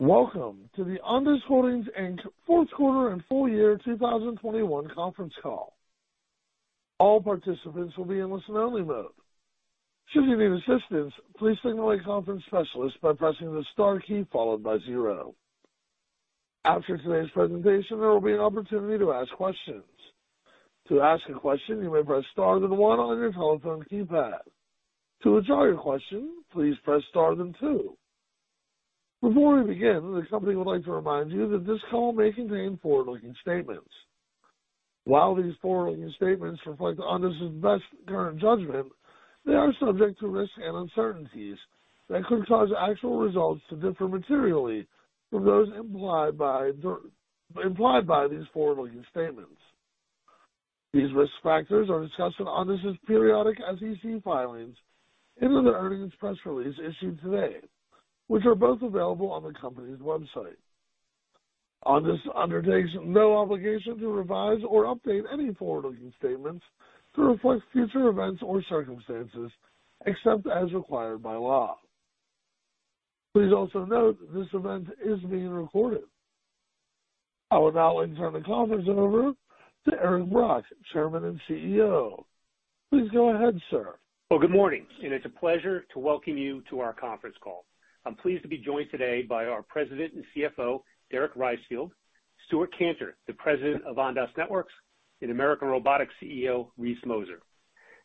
Welcome to the Ondas Holdings Inc. fourth quarter and full year 2021 conference call. All participants will be in listen-only mode. Should you need assistance, please signal a conference specialist by pressing the star key followed by zero. After today's presentation, there will be an opportunity to ask questions. To ask a question, you may press star then one on your telephone keypad. To withdraw your question, please press star then two. Before we begin, the company would like to remind you that this call may contain forward-looking statements. While these forward-looking statements reflect Ondas's best current judgment, they are subject to risks and uncertainties that could cause actual results to differ materially from those implied by these forward-looking statements. These risk factors are discussed in Ondas's periodic SEC filings and in the earnings press release issued today, which are both available on the company's website. Ondas undertakes no obligation to revise or update any forward-looking statements to reflect future events or circumstances, except as required by law. Please also note this event is being recorded. I would now like to turn the conference over to Eric Brock, Chairman and CEO. Please go ahead, sir. Well, good morning, and it's a pleasure to welcome you to our conference call. I'm pleased to be joined today by our President and CFO, Derek Reisfield, Stewart Kantor, the President of Ondas Networks, and American Robotics CEO, Reese Moser.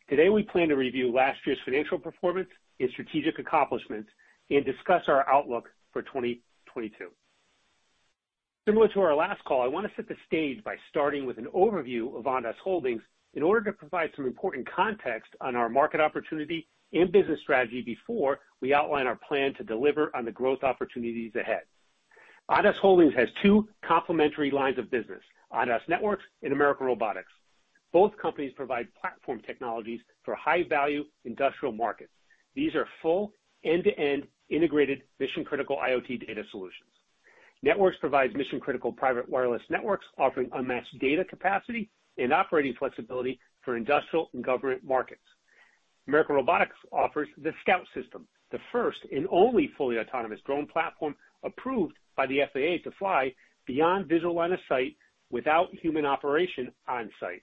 Today, we plan to review last year's financial performance and strategic accomplishments and discuss our outlook for 2022. Similar to our last call, I wanna set the stage by starting with an overview of Ondas Holdings in order to provide some important context on our market opportunity and business strategy before we outline our plan to deliver on the growth opportunities ahead. Ondas Holdings has two complementary lines of business, Ondas Networks and American Robotics. Both companies provide platform technologies for high-value industrial markets. These are full end-to-end integrated mission-critical IoT data solutions. Networks provides mission-critical private wireless networks offering unmatched data capacity and operating flexibility for industrial and government markets. American Robotics offers the Scout System, the first and only fully autonomous drone platform approved by the FAA to fly beyond visual line of sight without human operation on-site.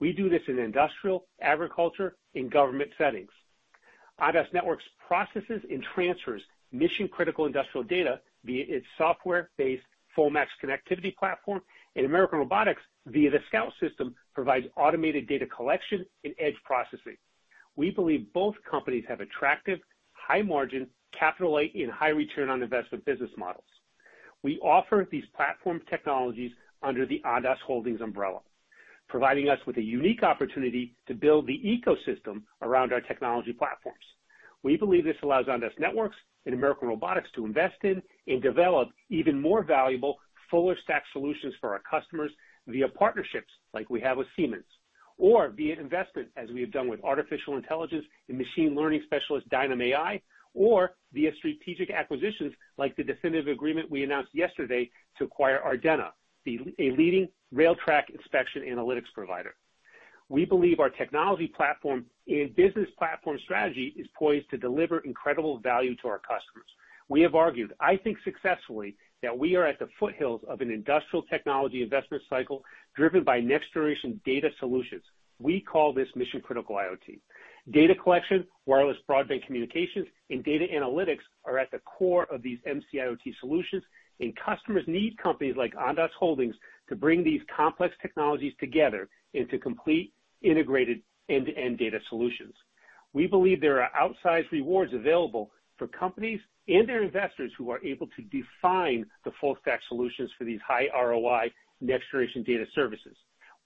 We do this in industrial, agricultural, and government settings. Ondas Networks processes and transfers mission-critical industrial data via its software-based, FullMAX connectivity platform, and American Robotics, via the Scout System, provides automated data collection and edge processing. We believe both companies have attractive, high-margin, capital-light, and high return on investment business models. We offer these platform technologies under the Ondas Holdings umbrella, providing us with a unique opportunity to build the ecosystem around our technology platforms. We believe this allows Ondas Networks and American Robotics to invest in and develop even more valuable, fuller stack solutions for our customers via partnerships like we have with Siemens. Via investment, as we have done with artificial intelligence and machine learning specialist Dynam.AI, or via strategic acquisitions like the definitive agreement we announced yesterday to acquire Ardenna, a leading rail track inspection analytics provider. We believe our technology platform and business platform strategy is poised to deliver incredible value to our customers. We have argued, I think successfully, that we are at the foothills of an industrial technology investment cycle driven by next-generation data solutions. We call this mission-critical IoT. Data collection, wireless broadband communications, and data analytics are at the core of these MC-IoT solutions, and customers need companies like Ondas Holdings to bring these complex technologies together into complete integrated end-to-end data solutions. We believe there are outsized rewards available for companies and their investors who are able to define the full stack solutions for these high ROI next-generation data services.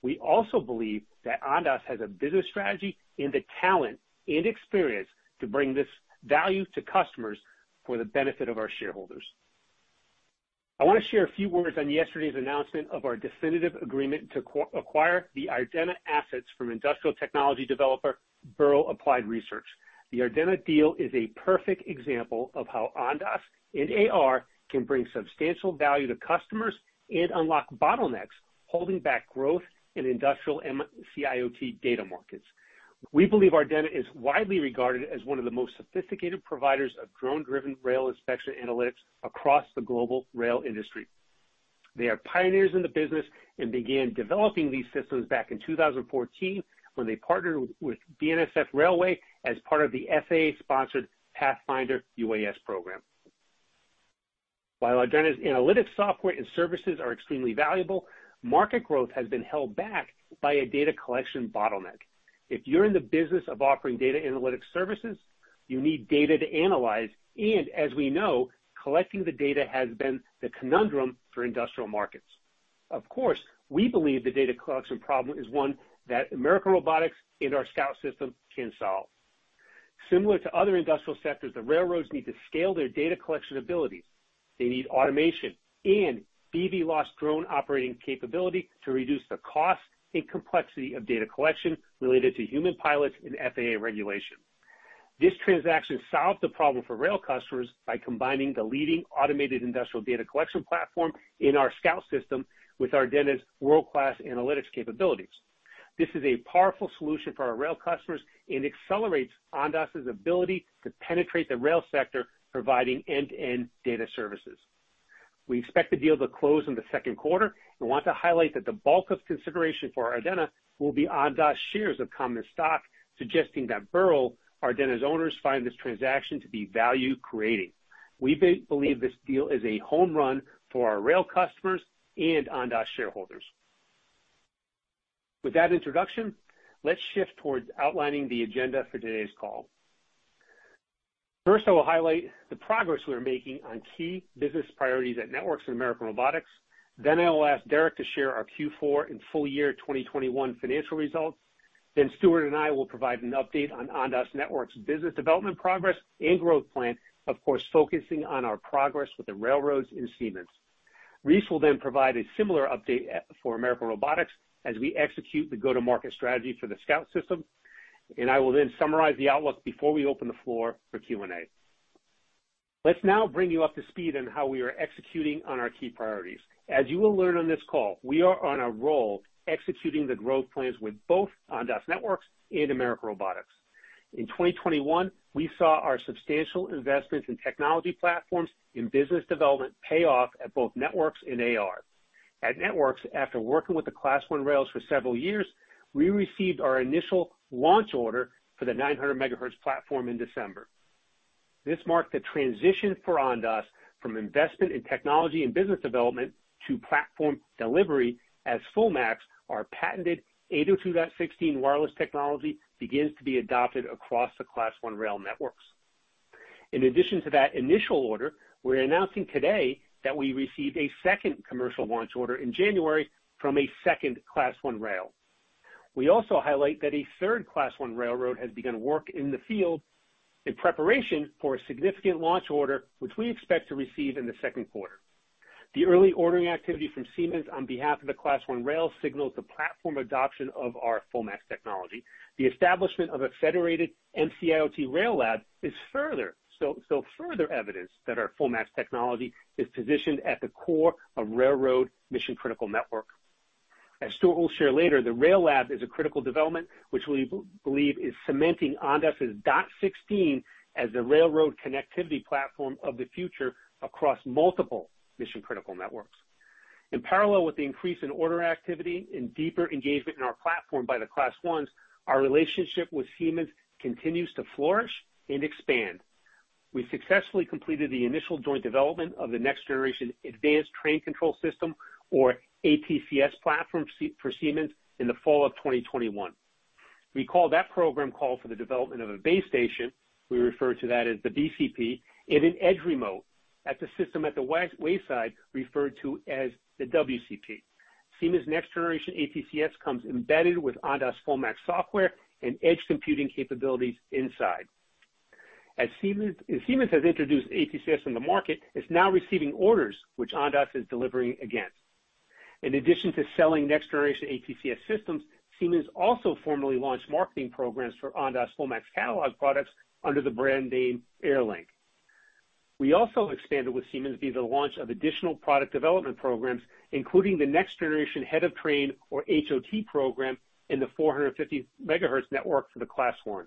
We also believe that Ondas has a business strategy and the talent and experience to bring this value to customers for the benefit of our shareholders. I wanna share a few words on yesterday's announcement of our definitive agreement to acquire the Ardenna assets from industrial technology developer Bihrle Applied Research. The Ardenna deal is a perfect example of how Ondas and AR can bring substantial value to customers and unlock bottlenecks holding back growth in industrial MC-IoT data markets. We believe Ardenna is widely regarded as one of the most sophisticated providers of drone-driven rail inspection analytics across the global rail industry. They are pioneers in the business and began developing these systems back in 2014 when they partnered with BNSF Railway as part of the FAA-sponsored Pathfinder UAS program. While Ardenna's analytics software and services are extremely valuable, market growth has been held back by a data collection bottleneck. If you're in the business of offering data analytics services, you need data to analyze, and as we know, collecting the data has been the conundrum for industrial markets. Of course, we believe the data collection problem is one that American Robotics and our Scout system can solve. Similar to other industrial sectors, the railroads need to scale their data collection abilities. They need automation and BVLOS drone operating capability to reduce the cost and complexity of data collection related to human pilots and FAA regulation. This transaction solves the problem for rail customers by combining the leading automated industrial data collection platform in our Scout System with Ardenna's world-class analytics capabilities. This is a powerful solution for our rail customers and accelerates Ondas' ability to penetrate the rail sector, providing end-to-end data services. We expect the deal to close in the second quarter and want to highlight that the bulk of consideration for Ardenna will be Ondas shares of common stock, suggesting that Bihrle, Ardenna's owners, find this transaction to be value-creating. We believe this deal is a home run for our rail customers and Ondas shareholders. With that introduction, let's shift towards outlining the agenda for today's call. First, I will highlight the progress we are making on key business priorities at Networks and American Robotics. Then I will ask Derek to share our Q4 and full year 2021 financial results. Stewart and I will provide an update on Ondas Networks business development progress and growth plan, of course, focusing on our progress with the railroads and Siemens. Reese will then provide a similar update for American Robotics as we execute the go-to-market strategy for the Scout System. I will then summarize the outlook before we open the floor for Q&A. Let's now bring you up to speed on how we are executing on our key priorities. As you will learn on this call, we are on a roll executing the growth plans with both Ondas Networks and American Robotics. In 2021, we saw our substantial investments in technology platforms in business development pay off at both Networks and AR. At Networks, after working with the Class I rails for several years, we received our initial launch order for the 900 MHz platform in December. This marked the transition for Ondas from investment in technology and business development to platform delivery as FullMAX, our patented 802.16 wireless technology, begins to be adopted across the Class 1 rail networks. In addition to that initial order, we're announcing today that we received a second commercial launch order in January from a second Class 1 rail. We also highlight that a third Class 1 railroad has begun work in the field in preparation for a significant launch order, which we expect to receive in the second quarter. The early ordering activity from Siemens on behalf of the Class 1 rail signals the platform adoption of our FullMAX technology. The establishment of a federated MC-IoT Rail Lab is further evidence that our FullMAX technology is positioned at the core of railroad mission-critical network. As Stuart will share later, the Rail Lab is a critical development which we believe is cementing Ondas as 802.16 as the railroad connectivity platform of the future across multiple mission-critical networks. In parallel with the increase in order activity and deeper engagement in our platform by the Class ones, our relationship with Siemens continues to flourish and expand. We successfully completed the initial joint development of the next generation advanced train control system, or ATCS platform for Siemens in the fall of 2021. We call that program for the development of a base station. We refer to that as the BCP, and an edge remote at the system at the wayside referred to as the WCP. Siemens next generation ATCS comes embedded with Ondas FullMAX software and edge computing capabilities inside. Siemens has introduced ATCS in the market, it's now receiving orders which Ondas is delivering again. In addition to selling next generation ATCS systems, Siemens also formally launched marketing programs for Ondas FullMAX catalog products under the brand name Airlink. We also expanded with Siemens via the launch of additional product development programs, including the next generation head of train, or HOT program, in the 450 MHz network for the Class 1s.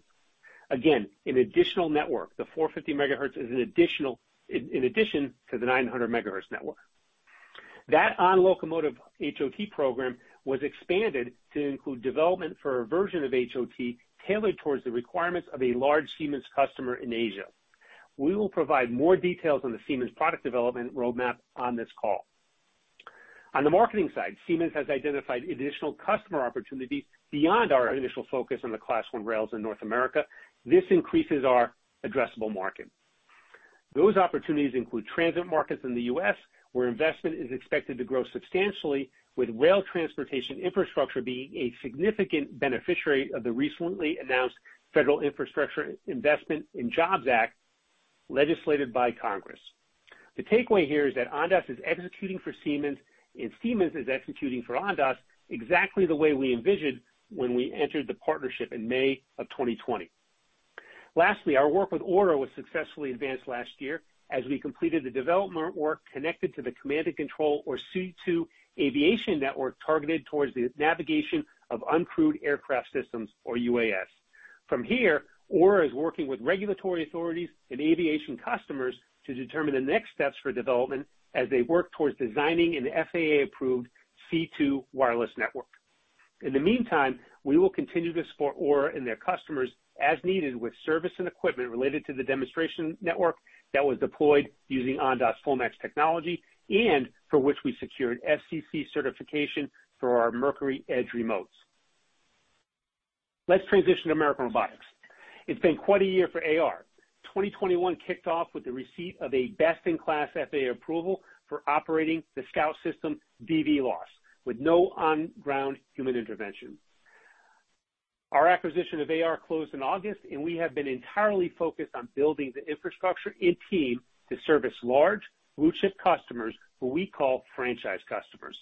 Again, an additional network. The 450 MHz is an additional in addition to the 900 MHz network. That on locomotive HOT program was expanded to include development for a version of HOT tailored towards the requirements of a large Siemens customer in Asia. We will provide more details on the Siemens product development roadmap on this call. On the marketing side, Siemens has identified additional customer opportunities beyond our initial focus on the Class I rails in North America. This increases our addressable market. Those opportunities include transit markets in the U.S., where investment is expected to grow substantially, with rail transportation infrastructure being a significant beneficiary of the recently announced Federal Infrastructure Investment and Jobs Act legislated by Congress. The takeaway here is that Ondas is executing for Siemens, and Siemens is executing for Ondas exactly the way we envisioned when we entered the partnership in May 2020. Lastly, our work with AURA was successfully advanced last year as we completed the development work connected to the command and control, or C2 aviation network targeted towards the navigation of uncrewed aircraft systems, or UAS. From here, AURA is working with regulatory authorities and aviation customers to determine the next steps for development as they work towards designing an FAA-approved C2 wireless network. In the meantime, we will continue to support AURA and their customers as needed with service and equipment related to the demonstration network that was deployed using Ondas FullMAX technology and for which we secured FCC certification for our Mercury Edge remotes. Let's transition to American Robotics. It's been quite a year for AR. 2021 kicked off with the receipt of a best-in-class FAA approval for operating the Scout System BVLOS with no on-ground human intervention. Our acquisition of AR closed in August, and we have been entirely focused on building the infrastructure and team to service large blue chip customers who we call franchise customers.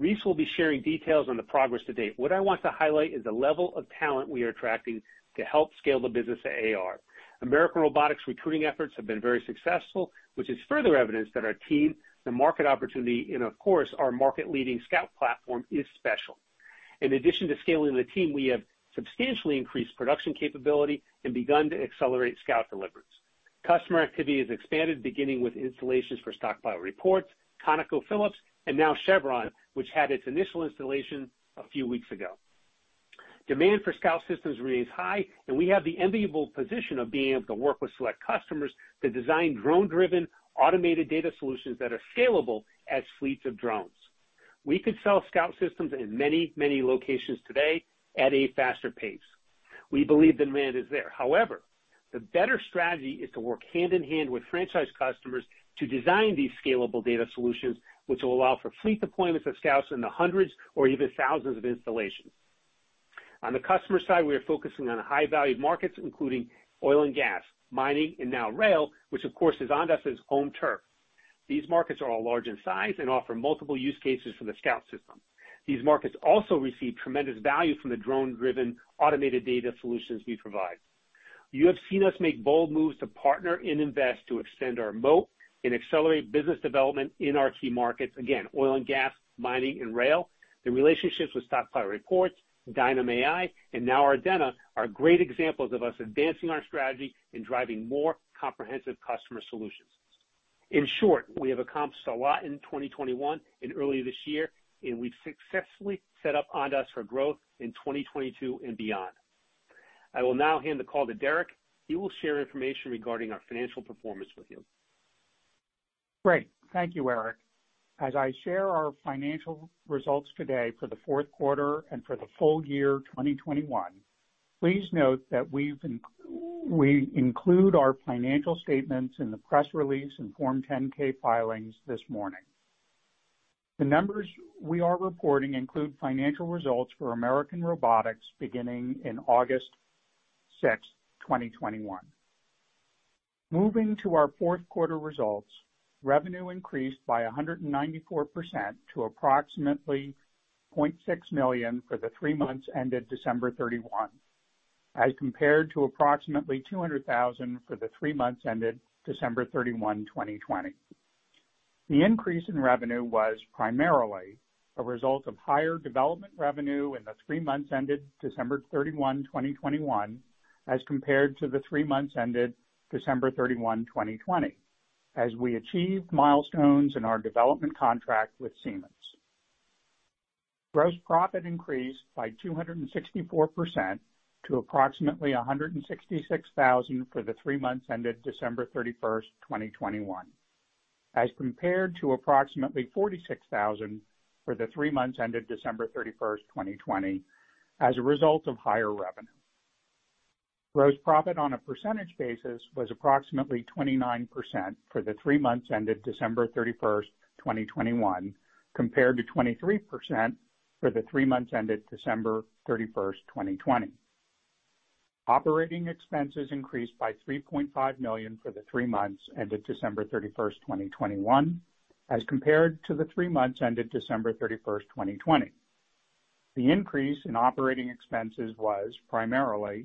Reese will be sharing details on the progress to date. What I want to highlight is the level of talent we are attracting to help scale the business at AR. American Robotics recruiting efforts have been very successful, which is further evidence that our team, the market opportunity and of course our market-leading Scout platform is special. In addition to scaling the team, we have substantially increased production capability and begun to accelerate Scout delivery. Customer activity has expanded, beginning with installations for Stockpile Reports, ConocoPhillips, and now Chevron, which had its initial installation a few weeks ago. Demand for Scout systems remains high, and we have the enviable position of being able to work with select customers to design drone-driven automated data solutions that are scalable as fleets of drones. We could sell Scout systems in many, many locations today at a faster pace. We believe demand is there. However, the better strategy is to work hand in hand with franchise customers to design these scalable data solutions, which will allow for fleet deployments of Scout systems in the hundreds or even thousands of installations. On the customer side, we are focusing on high-value markets, including oil and gas, mining, and now rail, which of course, is Ondas' own turf. These markets are all large in size and offer multiple use cases for the Scout System. These markets also receive tremendous value from the drone-driven automated data solutions we provide. You have seen us make bold moves to partner and invest to extend our moat and accelerate business development in our key markets, again, oil and gas, mining, and rail. The relationships with Stockpile Reports, Dynam.AI, and now Ardenna are great examples of us advancing our strategy and driving more comprehensive customer solutions. In short, we have accomplished a lot in 2021 and early this year, and we've successfully set up Ondas for growth in 2022 and beyond. I will now hand the call to Derek. He will share information regarding our financial performance with you. Great. Thank you, Eric. As I share our financial results today for the fourth quarter and for the full year 2021, please note that we include our financial statements in the press release and Form 10-K filings this morning. The numbers we are reporting include financial results for American Robotics beginning in August 6, 2021. Moving to our fourth quarter results, revenue increased by 194% to approximately $0.6 million for the three months ended December 31, as compared to approximately $200,000 for the three months ended December 31, 2020. The increase in revenue was primarily a result of higher development revenue in the three months ended December 31, 2021, as compared to the three months ended December 31, 2020, as we achieved milestones in our development contract with Siemens. Gross profit increased by 264% to approximately $166,000 for the three months ended December 31, 2021, as compared to approximately $46,000 for the three months ended December 31, 2020, as a result of higher revenue. Gross profit on a percentage basis was approximately 29% for the three months ended December 31, 2021, compared to 23% for the three months ended December 31, 2020. Operating expenses increased by $3.5 million for the three months ended December 31, 2021, as compared to the three months ended December 31, 2020. The increase in operating expenses was primarily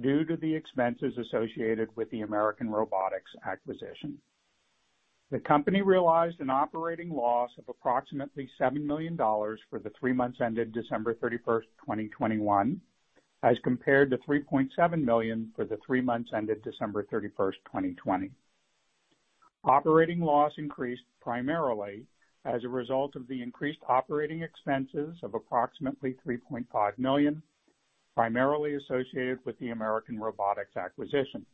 due to the expenses associated with the American Robotics acquisition. The company realized an operating loss of approximately $7 million for the three months ended December 31, 2021, as compared to $3.7 million for the three months ended December 31, 2020. Operating loss increased primarily as a result of the increased operating expenses of approximately $3.5 million, primarily associated with the American Robotics acquisition.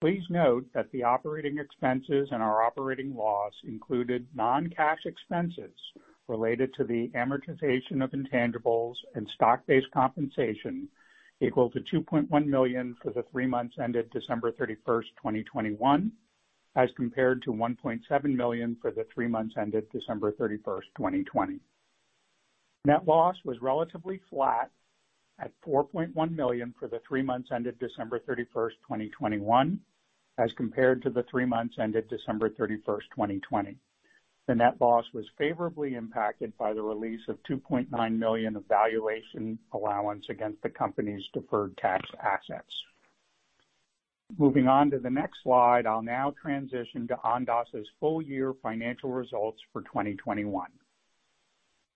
Please note that the operating expenses and our operating loss included non-cash expenses related to the amortization of intangibles and stock-based compensation equal to $2.1 million for the three months ended December 31, 2021, as compared to $1.7 million for the three months ended December 31, 2020. Net loss was relatively flat at $4.1 million for the three months ended December 31, 2021, as compared to the three months ended December 31, 2020. The net loss was favorably impacted by the release of $2.9 million of valuation allowance against the company's deferred tax assets. Moving on to the next slide, I'll now transition to Ondas' full-year financial results for 2021.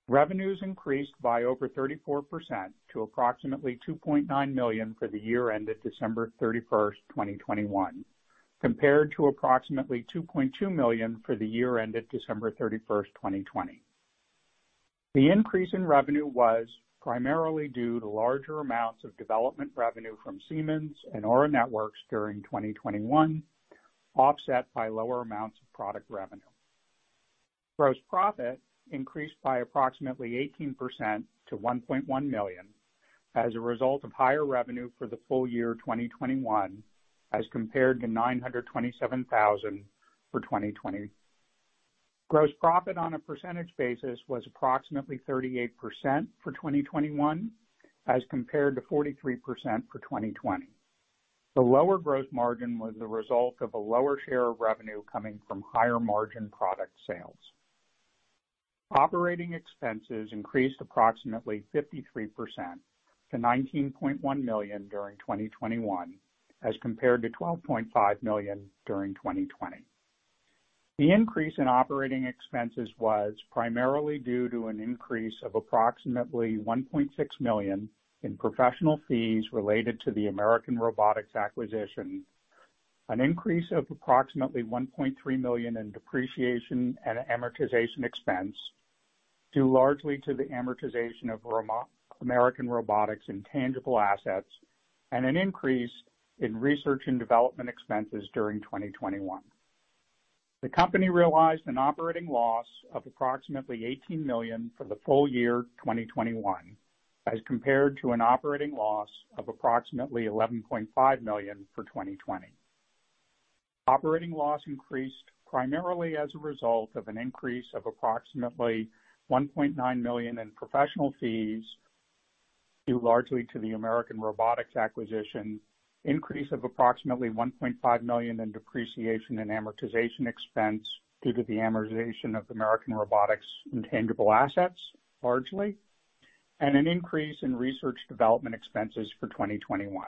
Revenues increased by over 34% to approximately $2.9 million for the year ended December 31, 2021, compared to approximately $2.2 million for the year ended December 31, 2020. The increase in revenue was primarily due to larger amounts of development revenue from Siemens and AURA Networks during 2021, offset by lower amounts of product revenue. Gross profit increased by approximately 18% to $1.1 million as a result of higher revenue for the full year 2021, as compared to $927,000 for 2020. Gross profit on a percentage basis was approximately 38% for 2021, as compared to 43% for 2020. The lower gross margin was the result of a lower share of revenue coming from higher margin product sales. Operating expenses increased approximately 53% to $19.1 million during 2021, as compared to $12.5 million during 2020. The increase in operating expenses was primarily due to an increase of approximately $1.6 million in professional fees related to the American Robotics acquisition, an increase of approximately $1.3 million in depreciation and amortization expense, due largely to the amortization of American Robotics intangible assets, and an increase in research and development expenses during 2021. The company realized an operating loss of approximately $18 million for the full year 2021, as compared to an operating loss of approximately $11.5 million for 2020. Operating loss increased primarily as a result of an increase of approximately $1.9 million in professional fees, due largely to the American Robotics acquisition, increase of approximately $1.5 million in depreciation and amortization expense due to the amortization of American Robotics intangible assets, largely, and an increase in research and development expenses for 2021.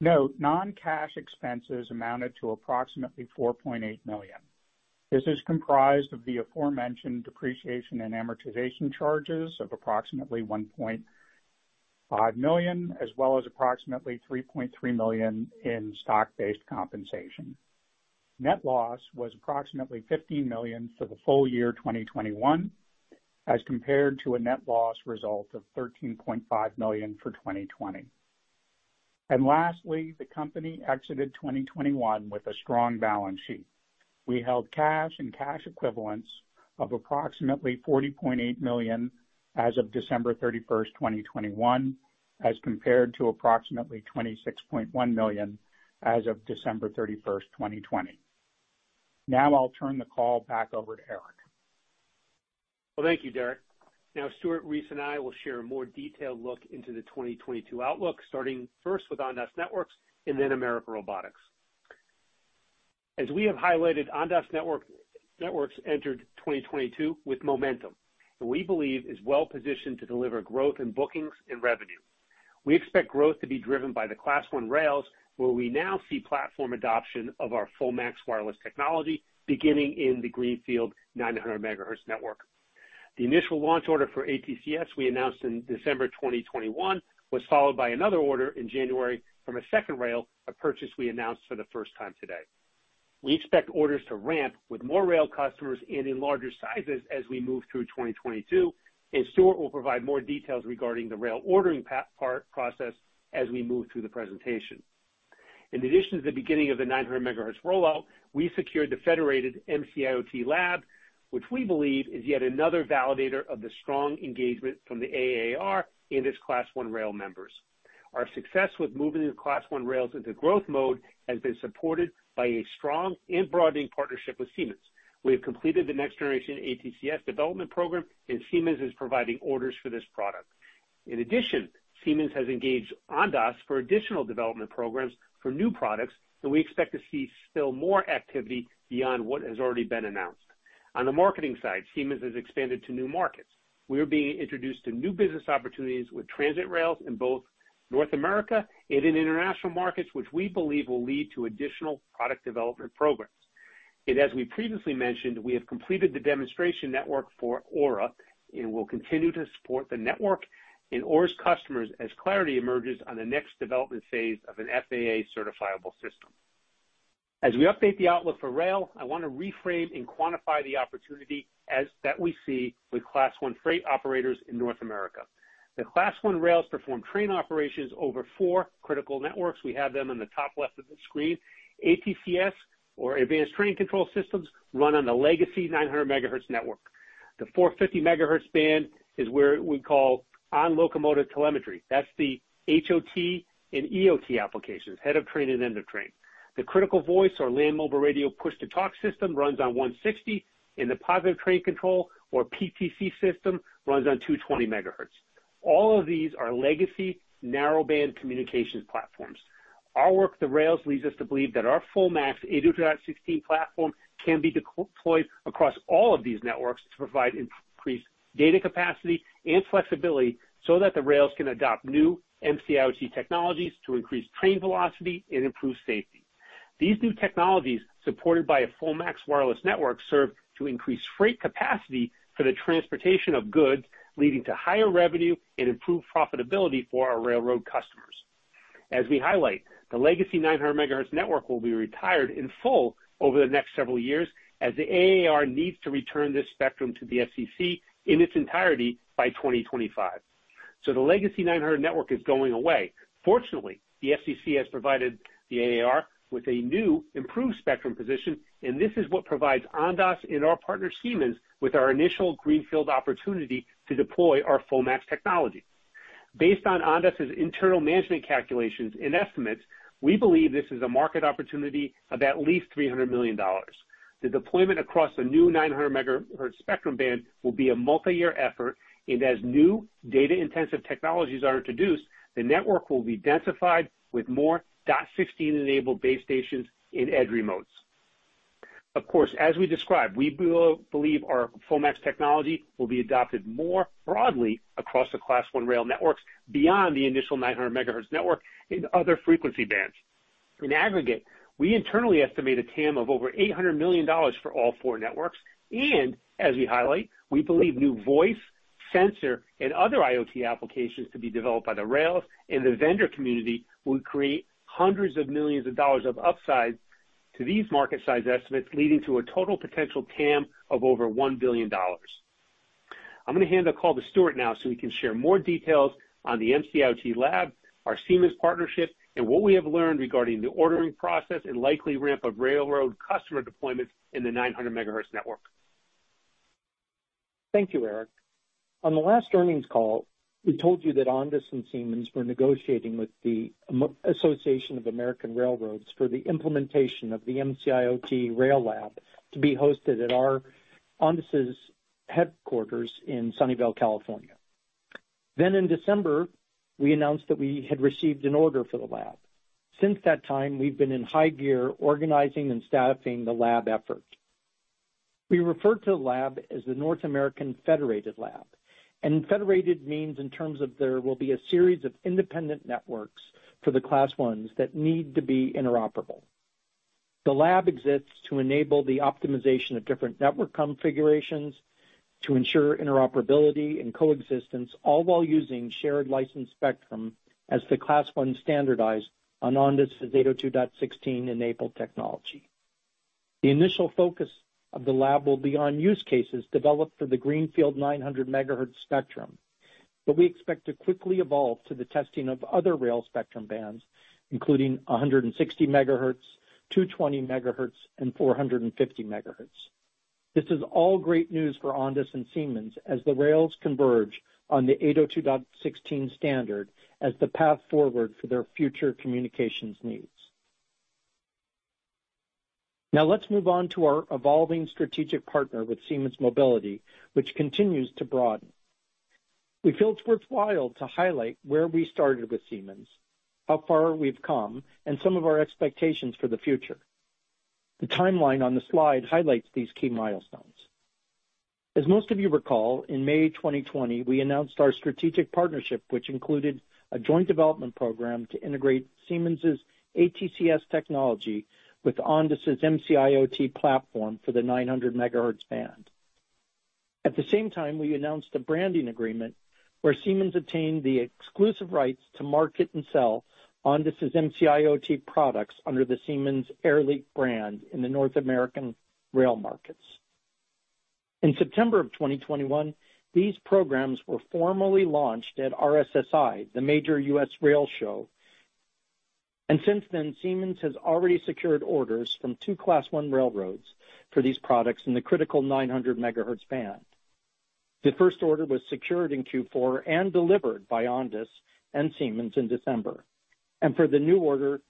Note, non-cash expenses amounted to approximately $4.8 million. This is comprised of the aforementioned depreciation and amortization charges of approximately $1.5 million, as well as approximately $3.3 million in stock-based compensation. Net loss was approximately $15 million for the full year 2021, as compared to a net loss result of $13.5 million for 2020. Lastly, the company exited 2021 with a strong balance sheet. We held cash and cash equivalents of approximately $40.8 million as of December 31, 2021, as compared to approximately $26.1 million as of December 31, 2020. Now I'll turn the call back over to Eric. Well, thank you, Derek. Now Stewart Kantor and I will share a more detailed look into the 2022 outlook, starting first with Ondas Networks and then American Robotics. As we have highlighted, Ondas Networks entered 2022 with momentum, and we believe is well-positioned to deliver growth in bookings and revenue. We expect growth to be driven by the Class 1 rails, where we now see platform adoption of our FullMAX wireless technology beginning in the greenfield 900 megahertz network. The initial launch order for ATCS we announced in December 2021 was followed by another order in January from a second rail, a purchase we announced for the first time today. We expect orders to ramp with more rail customers and in larger sizes as we move through 2022, and Stuart will provide more details regarding the rail ordering process as we move through the presentation. In addition to the beginning of the 900 megahertz rollout, we secured the Federated MC-IoT Lab, which we believe is yet another validator of the strong engagement from the AAR and its Class One rail members. Our success with moving the Class One rails into growth mode has been supported by a strong and broadening partnership with Siemens. We have completed the next generation ATCS development program, and Siemens is providing orders for this product. In addition, Siemens has engaged Ondas for additional development programs for new products, and we expect to see still more activity beyond what has already been announced. On the marketing side, Siemens has expanded to new markets. We are being introduced to new business opportunities with transit rails in both North America and in international markets, which we believe will lead to additional product development programs. As we previously mentioned, we have completed the demonstration network for AURA and will continue to support the network and AURA's customers as clarity emerges on the next development phase of an FAA certifiable system. As we update the outlook for rail, I want to reframe and quantify the opportunity as that we see with Class One freight operators in North America. The Class One rails perform train operations over four critical networks. We have them in the top left of the screen. ATCS or Advanced Train Control Systems run on the legacy 900 MHz network. The 450 megahertz band is where we call on locomotive telemetry. That's the HOT and EOT applications, head of train and end of train. The critical voice or land mobile radio push-to-talk system runs on 160, and the positive train control or PTC system runs on 220 megahertz. All of these are legacy narrowband communications platforms. Our work with the rails leads us to believe that our FullMAX 802.16 platform can be deployed across all of these networks to provide increased data capacity and flexibility so that the rails can adopt new MC-IoT technologies to increase train velocity and improve safety. These new technologies, supported by a FullMAX wireless network, serve to increase freight capacity for the transportation of goods, leading to higher revenue and improved profitability for our railroad customers. As we highlight, the legacy 900 megahertz network will be retired in full over the next several years as the AAR needs to return this spectrum to the FCC in its entirety by 2025. The legacy 900 network is going away. Fortunately, the FCC has provided the AAR with a new improved spectrum position, and this is what provides Ondas and our partner, Siemens, with our initial greenfield opportunity to deploy our FullMAX technology. Based on Ondas' internal management calculations and estimates, we believe this is a market opportunity of at least $300 million. The deployment across the new 900 megahertz spectrum band will be a multiyear effort, and as new data-intensive technologies are introduced, the network will be densified with more 802.16-enabled base stations in edge remotes. Of course, as we described, we believe our FullMAX technology will be adopted more broadly across the Class One rail networks beyond the initial 900 MHz network in other frequency bands. In aggregate, we internally estimate a TAM of over $800 million for all four networks, and as we highlight, we believe new voice, sensor, and other IoT applications to be developed by the rails and the vendor community will create $hundreds of millions of upside to these market size estimates, leading to a total potential TAM of over $1 billion. I'm gonna hand the call to Stewart now, so he can share more details on the MC-IoT Lab, our Siemens partnership, and what we have learned regarding the ordering process and likely ramp of railroad customer deployments in the 900 MHz network. Thank you, Eric. On the last earnings call, we told you that Ondas and Siemens were negotiating with the Association of American Railroads for the implementation of the MC-IoT Rail Lab to be hosted at Ondas' headquarters in Sunnyvale, California. In December, we announced that we had received an order for the lab. Since that time, we've been in high gear organizing and staffing the lab effort. We refer to the lab as the North American Federated Lab, and federated means in terms of there will be a series of independent networks for the Class I's that need to be interoperable. The lab exists to enable the optimization of different network configurations to ensure interoperability and coexistence, all while using shared licensed spectrum as the Class I's standardized on Ondas' 802.16-enabled technology. The initial focus of the lab will be on use cases developed for the greenfield 900 megahertz spectrum, but we expect to quickly evolve to the testing of other rail spectrum bands, including 160 megahertz, 220 megahertz, and 450 megahertz. This is all great news for Ondas and Siemens as the rails converge on the 802.16 standard as the path forward for their future communications needs. Now, let's move on to our evolving strategic partner with Siemens Mobility, which continues to broaden. We feel it's worthwhile to highlight where we started with Siemens, how far we've come, and some of our expectations for the future. The timeline on the slide highlights these key milestones. As most of you recall, in May 2020, we announced our strategic partnership, which included a joint development program to integrate Siemens' ATCS technology with Ondas' MC-IoT platform for the 900 megahertz band. At the same time, we announced a branding agreement where Siemens obtained the exclusive rights to market and sell Ondas' MC-IoT products under the Siemens Airlink brand in the North American rail markets. In September 2021, these programs were formally launched at RSI, the major U.S. rail show, and since then, Siemens has already secured orders from two Class One railroads for these products in the critical 900 megahertz band. The first order was secured in Q4 and delivered by Ondas and Siemens in December. The new order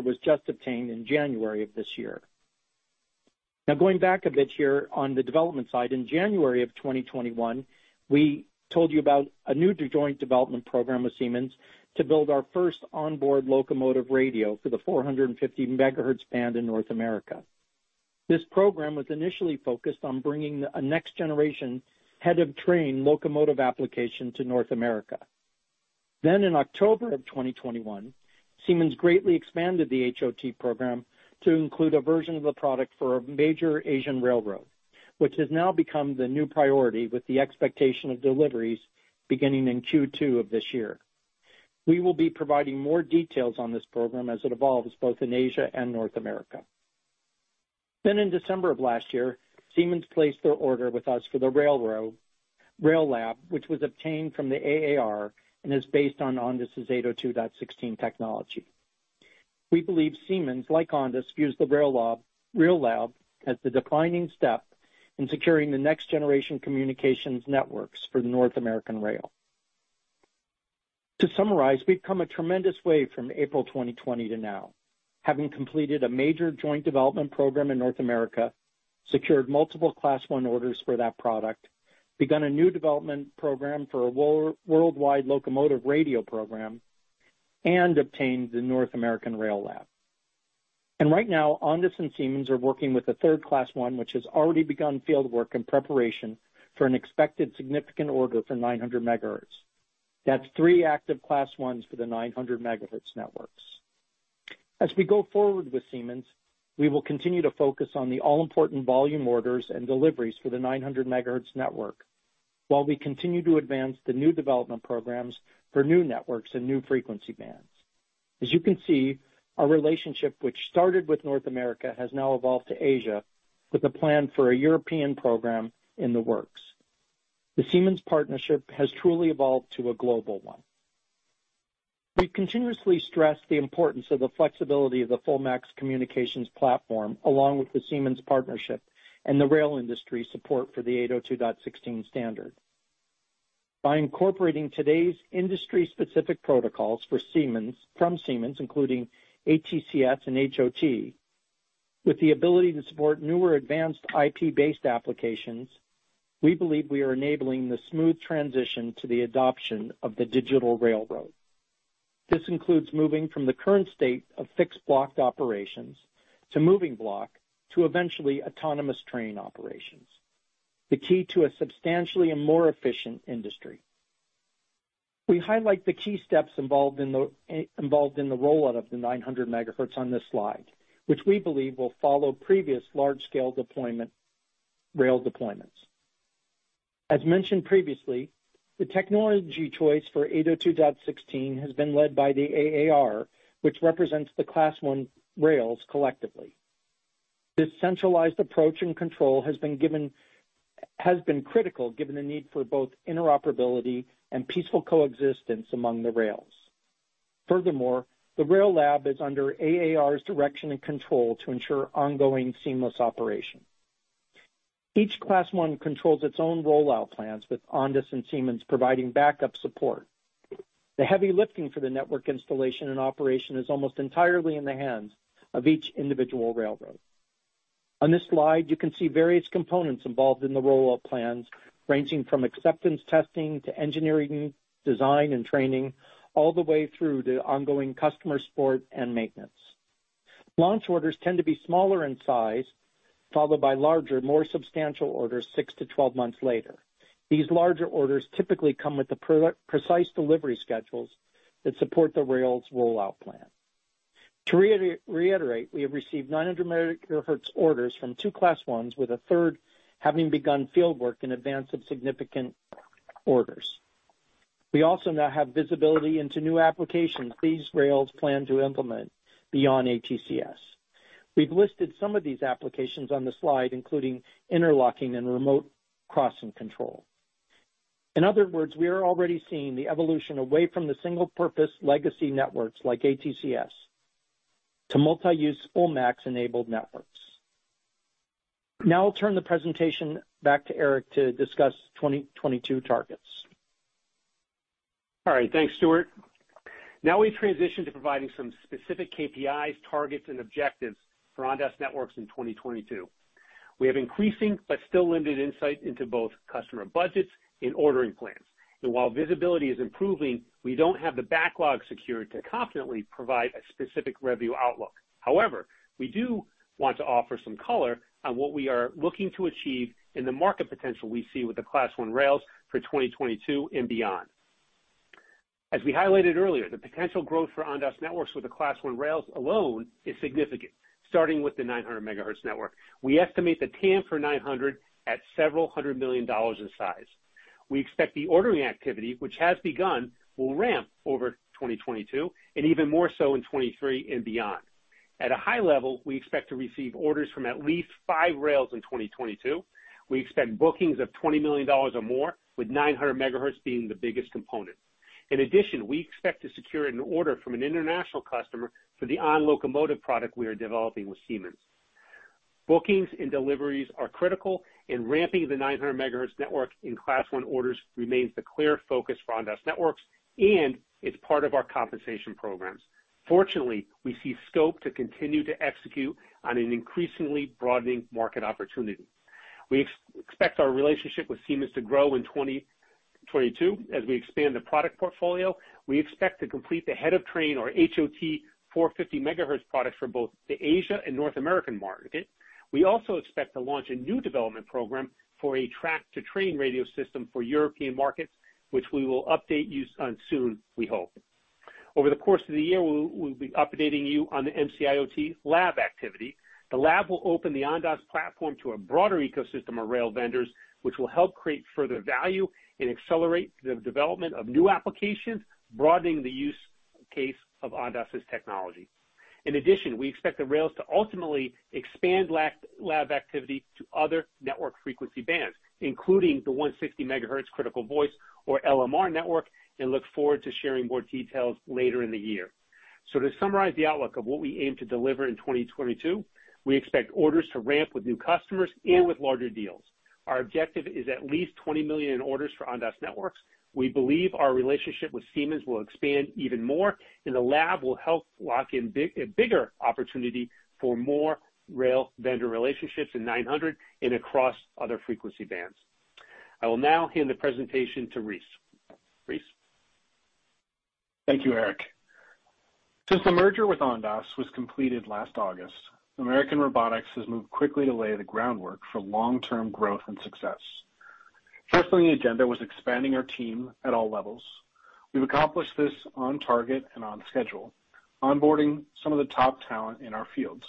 was just obtained in January of this year. Now going back a bit here on the development side, in January 2021, we told you about a new joint development program with Siemens to build our first onboard locomotive radio for the 450 megahertz band in North America. This program was initially focused on bringing a next-generation head of train locomotive application to North America. In October 2021, Siemens greatly expanded the HOT program to include a version of the product for a major Asian railroad, which has now become the new priority, with the expectation of deliveries beginning in Q2 of this year. We will be providing more details on this program as it evolves both in Asia and North America. In December of last year, Siemens placed their order with us for the rail lab, which was obtained from the AAR and is based on Ondas' 802.16 technology. We believe Siemens, like Ondas, views the rail lab as the defining step in securing the next-generation communications networks for the North American rail. To summarize, we've come a tremendous way from April 2020 to now, having completed a major joint development program in North America, secured multiple Class I orders for that product, begun a new development program for a worldwide locomotive radio program, and obtained the North American Rail Lab. Right now, Ondas and Siemens are working with a third Class I, which has already begun field work in preparation for an expected significant order for 900 MHz. That's three active Class I's for the 900 MHz networks. As we go forward with Siemens, we will continue to focus on the all-important volume orders and deliveries for the 900 megahertz network while we continue to advance the new development programs for new networks and new frequency bands. As you can see, our relationship, which started with North America, has now evolved to Asia, with a plan for a European program in the works. The Siemens partnership has truly evolved to a global one. We continuously stress the importance of the flexibility of the FullMAX communications platform, along with the Siemens partnership and the rail industry support for the 802.16 standard. By incorporating today's industry-specific protocols from Siemens, including ATCS and HOT, with the ability to support newer advanced IP-based applications, we believe we are enabling the smooth transition to the adoption of the digital railroad. This includes moving from the current state of fixed block operations to moving block, to eventually autonomous train operations, the key to a substantially more efficient industry. We highlight the key steps involved in the rollout of the 900 MHz on this slide, which we believe will follow previous large-scale rail deployments. As mentioned previously, the technology choice for 802.16 has been led by the AAR, which represents the Class I rails collectively. This centralized approach and control has been critical given the need for both interoperability and peaceful coexistence among the rails. Furthermore, the rail lab is under AAR's direction and control to ensure ongoing seamless operation. Each Class I controls its own rollout plans, with Ondas and Siemens providing backup support. The heavy lifting for the network installation and operation is almost entirely in the hands of each individual railroad. On this slide, you can see various components involved in the rollout plans, ranging from acceptance testing to engineering, design, and training, all the way through to ongoing customer support and maintenance. Launch orders tend to be smaller in size, followed by larger, more substantial orders 6-12 months later. These larger orders typically come with the precise delivery schedules that support the railroad's rollout plan. To reiterate, we have received 900 megahertz orders from two Class I's, with a third having begun field work in advance of significant orders. We also now have visibility into new applications these railroads plan to implement beyond ATCS. We've listed some of these applications on the slide, including interlocking and remote crossing control. In other words, we are already seeing the evolution away from the single-purpose legacy networks like ATCS to multi-use FullMAX-enabled networks. Now I'll turn the presentation back to Eric to discuss 2022 targets. All right. Thanks, Stewart. Now we transition to providing some specific KPIs, targets, and objectives for Ondas Networks in 2022. We have increasing but still limited insight into both customer budgets and ordering plans. While visibility is improving, we don't have the backlog secured to confidently provide a specific revenue outlook. However, we do want to offer some color on what we are looking to achieve and the market potential we see with the Class one rails for 2022 and beyond. As we highlighted earlier, the potential growth for Ondas Networks with the Class one rails alone is significant. Starting with the 900 megahertz network, we estimate the TAM for 900 at $several hundred million in size. We expect the ordering activity, which has begun, will ramp over 2022 and even more so in 2023 and beyond. At a high level, we expect to receive orders from at least five rails in 2022. We expect bookings of $20 million or more, with 900 MHz being the biggest component. In addition, we expect to secure an order from an international customer for the on-locomotive product we are developing with Siemens. Bookings and deliveries are critical, and ramping the 900 MHz network in Class 1 orders remains the clear focus for Ondas Networks, and it's part of our compensation programs. Fortunately, we see scope to continue to execute on an increasingly broadening market opportunity. We expect our relationship with Siemens to grow in 2022 as we expand the product portfolio. We expect to complete the head of train or HOT 450 MHz product for both the Asia and North American market. We also expect to launch a new development program for a track-to-train radio system for European markets, which we will update you on soon, we hope. Over the course of the year, we'll be updating you on the MC-IoT lab activity. The lab will open the Ondas platform to a broader ecosystem of rail vendors, which will help create further value and accelerate the development of new applications, broadening the use case of Ondas' technology. In addition, we expect the rails to ultimately expand lab activity to other network frequency bands, including the 160 megahertz critical voice or LMR network, and look forward to sharing more details later in the year. To summarize the outlook of what we aim to deliver in 2022, we expect orders to ramp with new customers and with larger deals. Our objective is at least $20 million in orders for Ondas Networks. We believe our relationship with Siemens will expand even more, and the lab will help lock in a bigger opportunity for more rail vendor relationships in 900 and across other frequency bands. I will now hand the presentation to Reese. Reese? Thank you, Eric. Since the merger with Ondas was completed last August, American Robotics has moved quickly to lay the groundwork for long-term growth and success. First on the agenda was expanding our team at all levels. We've accomplished this on target and on schedule, onboarding some of the top talent in our fields.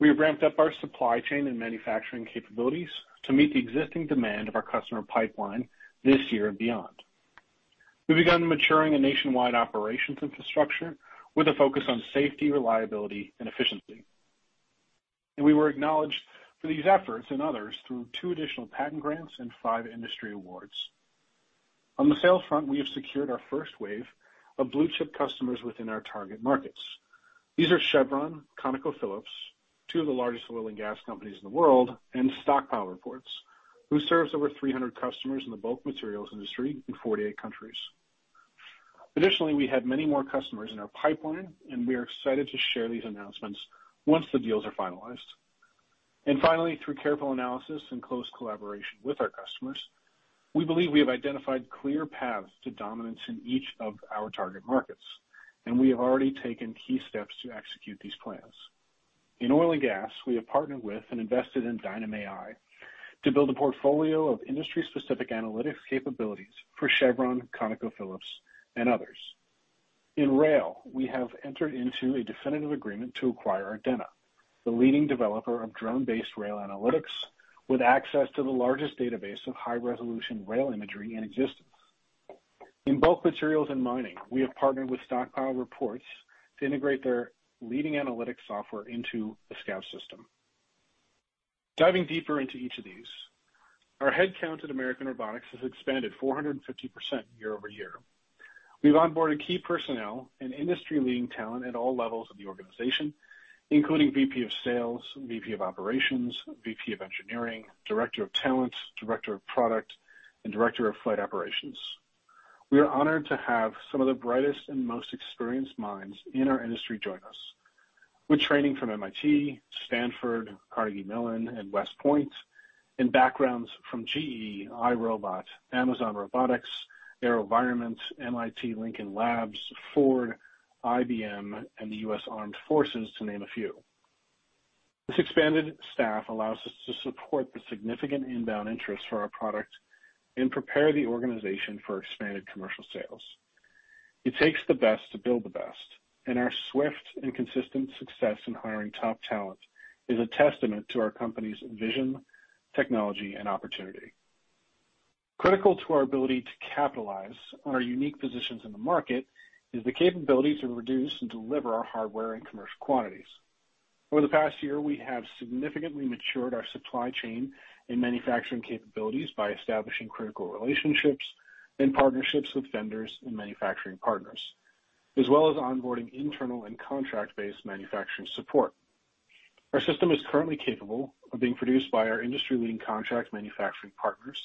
We have ramped up our supply chain and manufacturing capabilities to meet the existing demand of our customer pipeline this year and beyond. We've begun maturing a nationwide operations infrastructure with a focus on safety, reliability, and efficiency. We were acknowledged for these efforts and others through 2 additional patent grants and 5 industry awards. On the sales front, we have secured our first wave of blue-chip customers within our target markets. These are Chevron, ConocoPhillips, two of the largest oil and gas companies in the world, and Stockpile Reports, who serves over 300 customers in the bulk materials industry in 48 countries. Additionally, we have many more customers in our pipeline, and we are excited to share these announcements once the deals are finalized. Finally, through careful analysis and close collaboration with our customers, we believe we have identified clear paths to dominance in each of our target markets, and we have already taken key steps to execute these plans. In oil and gas, we have partnered with and invested in Dynam.AI to build a portfolio of industry-specific analytics capabilities for Chevron, ConocoPhillips, and others. In rail, we have entered into a definitive agreement to acquire Ardenna, the leading developer of drone-based rail analytics, with access to the largest database of high-resolution rail imagery in existence. In bulk materials and mining, we have partnered with Stockpile Reports to integrate their leading analytics software into the Scout System. Diving deeper into each of these, our headcount at American Robotics has expanded 450% year-over-year. We've onboarded key personnel and industry-leading talent at all levels of the organization, including VP of Sales, VP of Operations, VP of Engineering, Director of Talent, Director of Product, and Director of Flight Operations. We are honored to have some of the brightest and most experienced minds in our industry join us. With training from MIT, Stanford, Carnegie Mellon, and West Point, and backgrounds from GE, iRobot, Amazon Robotics, AeroVironment, MIT Lincoln Laboratory, Ford, IBM, and the U.S. Armed Forces, to name a few. This expanded staff allows us to support the significant inbound interest for our product and prepare the organization for expanded commercial sales. It takes the best to build the best, and our swift and consistent success in hiring top talent is a testament to our company's vision, technology, and opportunity. Critical to our ability to capitalize on our unique positions in the market is the capability to produce and deliver our hardware in commercial quantities. Over the past year, we have significantly matured our supply chain and manufacturing capabilities by establishing critical relationships and partnerships with vendors and manufacturing partners, as well as onboarding internal and contract-based manufacturing support. Our system is currently capable of being produced by our industry-leading contract manufacturing partners,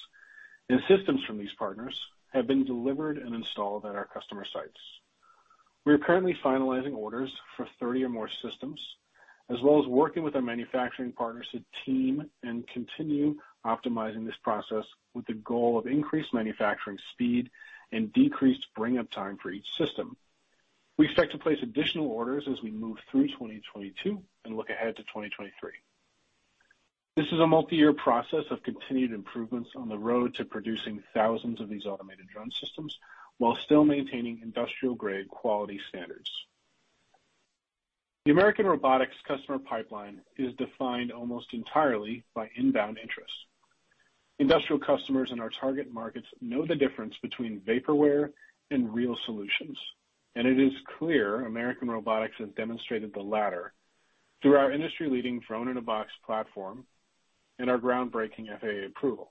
and systems from these partners have been delivered and installed at our customer sites. We are currently finalizing orders for 30 or more systems, as well as working with our manufacturing partners to team and continue optimizing this process with the goal of increased manufacturing speed and decreased bring-up time for each system. We expect to place additional orders as we move through 2022 and look ahead to 2023. This is a multiyear process of continued improvements on the road to producing thousands of these automated drone systems while still maintaining industrial-grade quality standards. The American Robotics customer pipeline is defined almost entirely by inbound interest. Industrial customers in our target markets know the difference between vaporware and real solutions, and it is clear American Robotics has demonstrated the latter through our industry-leading Drone-in-a-Box platform and our groundbreaking FAA approval.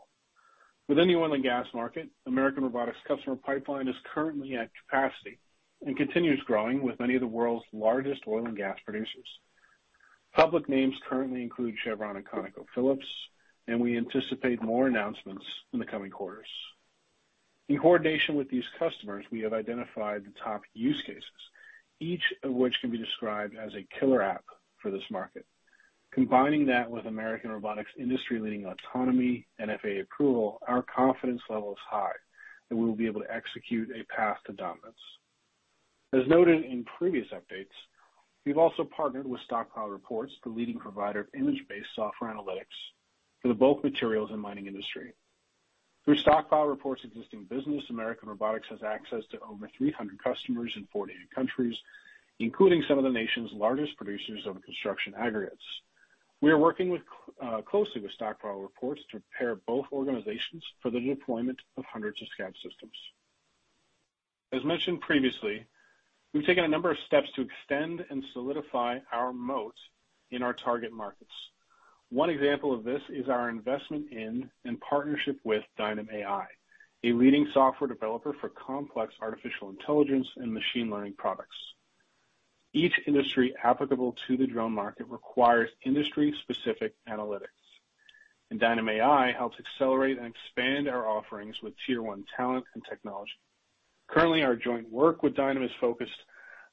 Within the oil and gas market, American Robotics' customer pipeline is currently at capacity and continues growing with many of the world's largest oil and gas producers. Public names currently include Chevron and ConocoPhillips, and we anticipate more announcements in the coming quarters. In coordination with these customers, we have identified the top use cases, each of which can be described as a killer app for this market. Combining that with American Robotics' industry-leading autonomy and FAA approval, our confidence level is high that we will be able to execute a path to dominance. As noted in previous updates, we've also partnered with Stockpile Reports, the leading provider of image-based software analytics for the bulk materials and mining industry. Through Stockpile Reports' existing business, American Robotics has access to over 300 customers in 48 countries, including some of the nation's largest producers of construction aggregates. We are working with closely with Stockpile Reports to prepare both organizations for the deployment of hundreds of Scout systems. As mentioned previously, we've taken a number of steps to extend and solidify our moat in our target markets. One example of this is our investment in and partnership with Dynam.AI, a leading software developer for complex artificial intelligence and machine learning products. Each industry applicable to the drone market requires industry-specific analytics, and Dynam.AI helps accelerate and expand our offerings with tier one talent and technology. Currently, our joint work with Dynam.AI is focused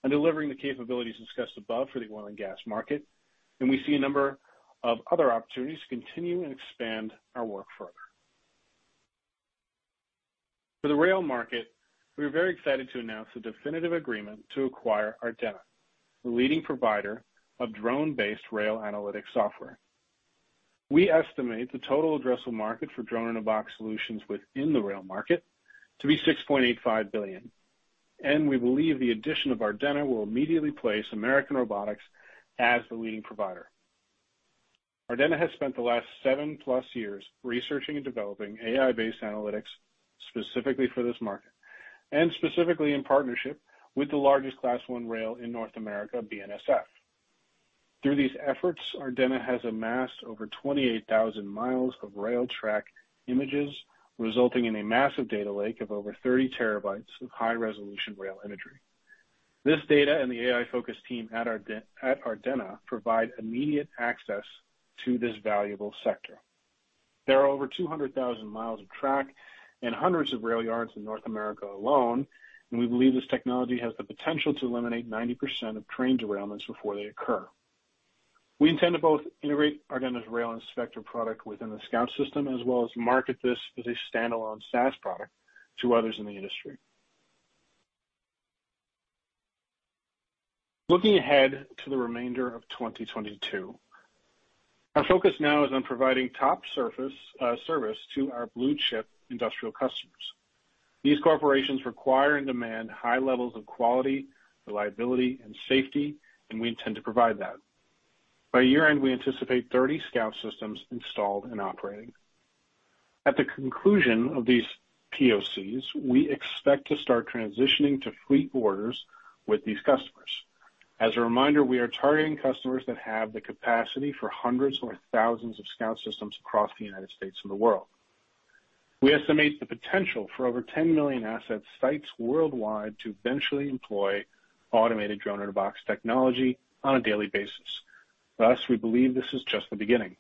on delivering the capabilities discussed above for the oil and gas market, and we see a number of other opportunities to continue and expand our work further. For the rail market, we are very excited to announce a definitive agreement to acquire Ardenna, the leading provider of drone-based rail analytics software. We estimate the total addressable market for Drone-in-a-Box solutions within the rail market to be $6.85 billion, and we believe the addition of Ardenna will immediately place American Robotics as the leading provider. Ardenna has spent the last 7+ years researching and developing AI-based analytics specifically for this market and specifically in partnership with the largest Class I rail in North America, BNSF. Through these efforts, Ardenna has amassed over 28,000 miles of rail track images, resulting in a massive data lake of over 30 TB of high-resolution rail imagery. This data and the AI-focused team at Ardenna provide immediate access to this valuable sector. There are over 200,000 miles of track and hundreds of rail yards in North America alone, and we believe this technology has the potential to eliminate 90% of train derailments before they occur. We intend to both integrate Ardenna's Rail-Inspector product within the Scout System, as well as market this as a standalone SaaS product to others in the industry. Looking ahead to the remainder of 2022, our focus now is on providing top service to our blue chip industrial customers. These corporations require and demand high levels of quality, reliability, and safety, and we intend to provide that. By year-end, we anticipate 30 Scout systems installed and operating. At the conclusion of these POCs, we expect to start transitioning to fleet orders with these customers. As a reminder, we are targeting customers that have the capacity for hundreds or thousands of Scout systems across the United States and the world. We estimate the potential for over 10 million asset sites worldwide to eventually employ automated drone-in-a-box technology on a daily basis. Thus, we believe this is just the beginning.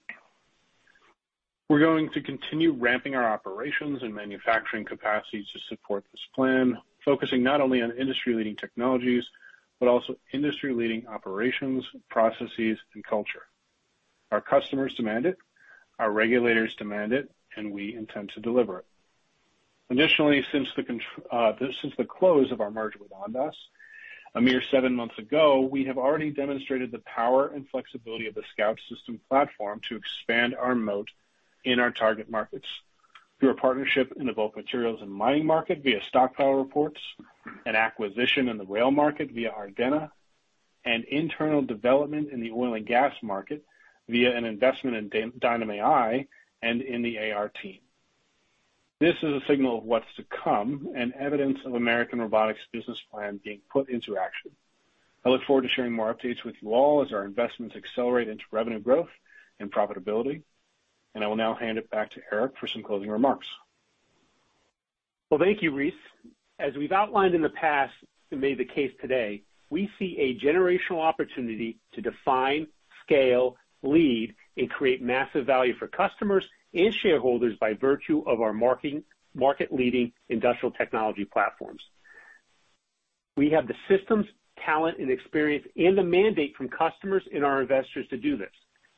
We're going to continue ramping our operations and manufacturing capacities to support this plan, focusing not only on industry-leading technologies, but also industry-leading operations, processes, and culture. Our customers demand it, our regulators demand it, and we intend to deliver it. Additionally, since the close of our merger with Ondas a mere seven months ago, we have already demonstrated the power and flexibility of the Scout System platform to expand our moat in our target markets through a partnership in the bulk materials and mining market via Stockpile Reports, an acquisition in the rail market via Ardenna, and internal development in the oil and gas market via an investment in Dynam.AI and in the AR team. This is a signal of what's to come and evidence of American Robotics' business plan being put into action. I look forward to sharing more updates with you all as our investments accelerate into revenue growth and profitability, and I will now hand it back to Eric for some closing remarks. Well, thank you, Reese. As we've outlined in the past and made the case today, we see a generational opportunity to define, scale, lead, and create massive value for customers and shareholders by virtue of our market-leading industrial technology platforms. We have the systems, talent, and experience, and the mandate from customers and our investors to do this.